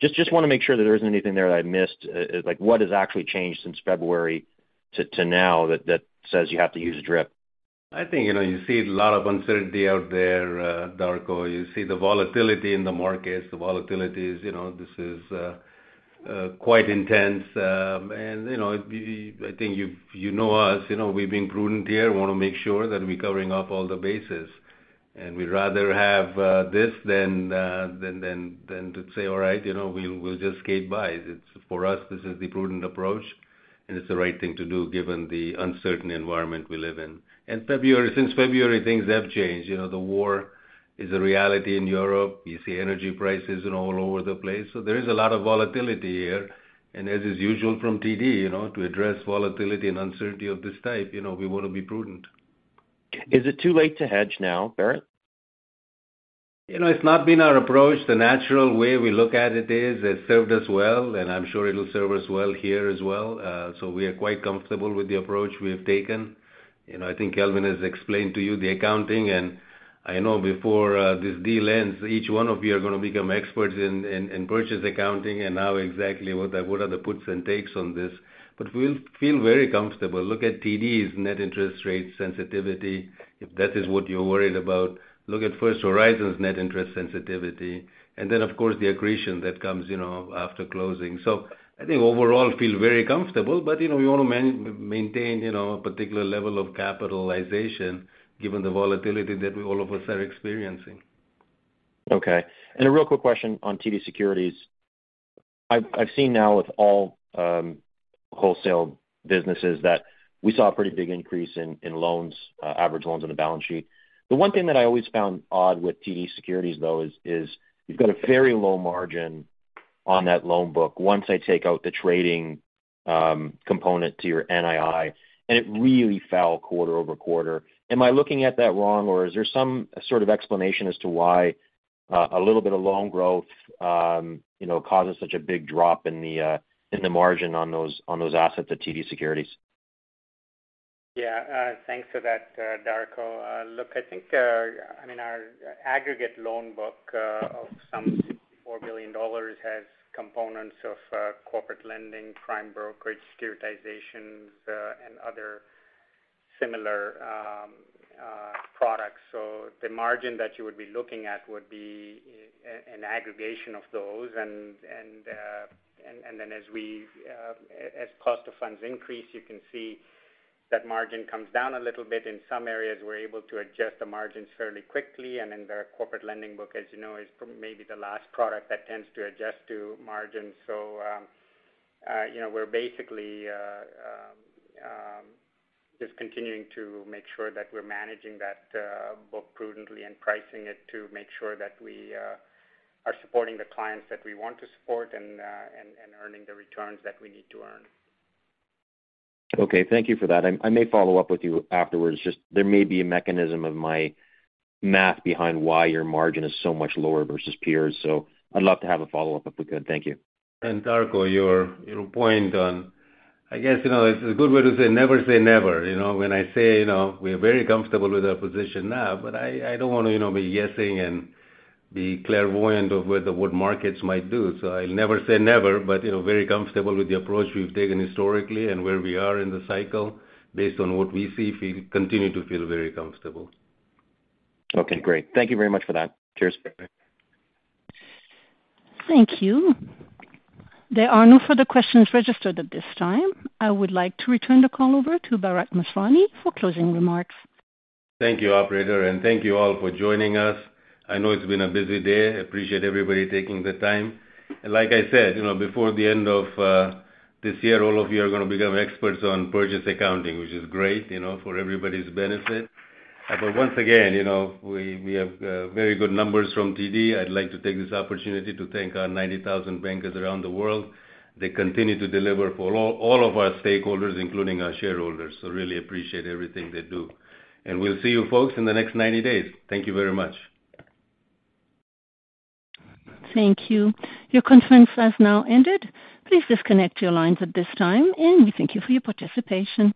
Just wanna make sure that there isn't anything there that I missed. Like what has actually changed since February to now that says you have to use a DRIP? I think, you know, you see a lot of uncertainty out there, Darko. You see the volatility in the markets. The volatility is, you know, this is quite intense. I think you know us, you know, we've been prudent here. We wanna make sure that we're covering off all the bases. We'd rather have this than to say, "All right, you know, we'll just skate by." It's, for us, this is the prudent approach, and it's the right thing to do given the uncertain environment we live in. February, since February, things have changed. You know, the war is a reality in Europe. You see energy prices, you know, all over the place. There is a lot of volatility here. As is usual from TD, you know, to address volatility and uncertainty of this type, you know, we wanna be prudent. Is it too late to hedge now, Bharat? You know, it's not been our approach. The natural way we look at it is it served us well, and I'm sure it'll serve us well here as well. So we are quite comfortable with the approach we have taken. You know, I think Kelvin has explained to you the accounting. I know before this deal ends, each one of you are gonna become experts in purchase accounting and how exactly what are the puts and takes on this. We feel very comfortable. Look at TD's net interest rate sensitivity, if that is what you're worried about. Look at First Horizon's net interest sensitivity, and then of course the accretion that comes, you know, after closing. I think overall we feel very comfortable, but you know, we want to maintain, you know, a particular level of capitalization given the volatility that all of us are experiencing. Okay. A real quick question on TD Securities. I've seen now with all wholesale businesses that we saw a pretty big increase in average loans on the balance sheet. The one thing that I always found odd with TD Securities though is you've got a very low margin on that loan book once I take out the trading component to your NII, and it really fell quarter-over-quarter. Am I looking at that wrong, or is there some sort of explanation as to why a little bit of loan growth you know causes such a big drop in the margin on those assets at TD Securities? Yeah. Thanks for that, Darko. Look, I think, I mean, our aggregate loan book of some 64 billion dollars has components of corporate lending, prime brokerage, securitizations, and other similar products. So the margin that you would be looking at would be an aggregation of those. Then as cost of funds increase, you can see that margin comes down a little bit. In some areas, we're able to adjust the margins fairly quickly, and then the corporate lending book, as you know, may be the last product that tends to adjust to margins. you know, we're basically just continuing to make sure that we're managing that book prudently and pricing it to make sure that we are supporting the clients that we want to support and earning the returns that we need to earn. Okay, thank you for that. I may follow up with you afterwards, just there may be a mechanics of my math behind why your margin is so much lower versus peers. I'd love to have a follow-up if we could. Thank you. Darko, your point on, I guess, you know, it's a good way to say never say never, you know? When I say, you know, we are very comfortable with our position now, but I don't want to, you know, be guessing and be clairvoyant of whether what markets might do. I'll never say never, but, you know, very comfortable with the approach we've taken historically and where we are in the cycle based on what we see feel, continue to feel very comfortable. Okay, great. Thank you very much for that. Cheers. Thank you. There are no further questions registered at this time. I would like to return the call over to Bharat Masrani for closing remarks. Thank you, operator, and thank you all for joining us. I know it's been a busy day. Appreciate everybody taking the time. Like I said, you know, before the end of this year, all of you are gonna become experts on purchase accounting, which is great, you know, for everybody's benefit. But once again, you know, we have very good numbers from TD. I'd like to take this opportunity to thank our 90,000 bankers around the world. They continue to deliver for all of our stakeholders, including our shareholders, so really appreciate everything they do. We'll see you folks in the next 90 days. Thank you very much. Thank you. Your conference has now ended. Please disconnect your lines at this time, and we thank you for your participation.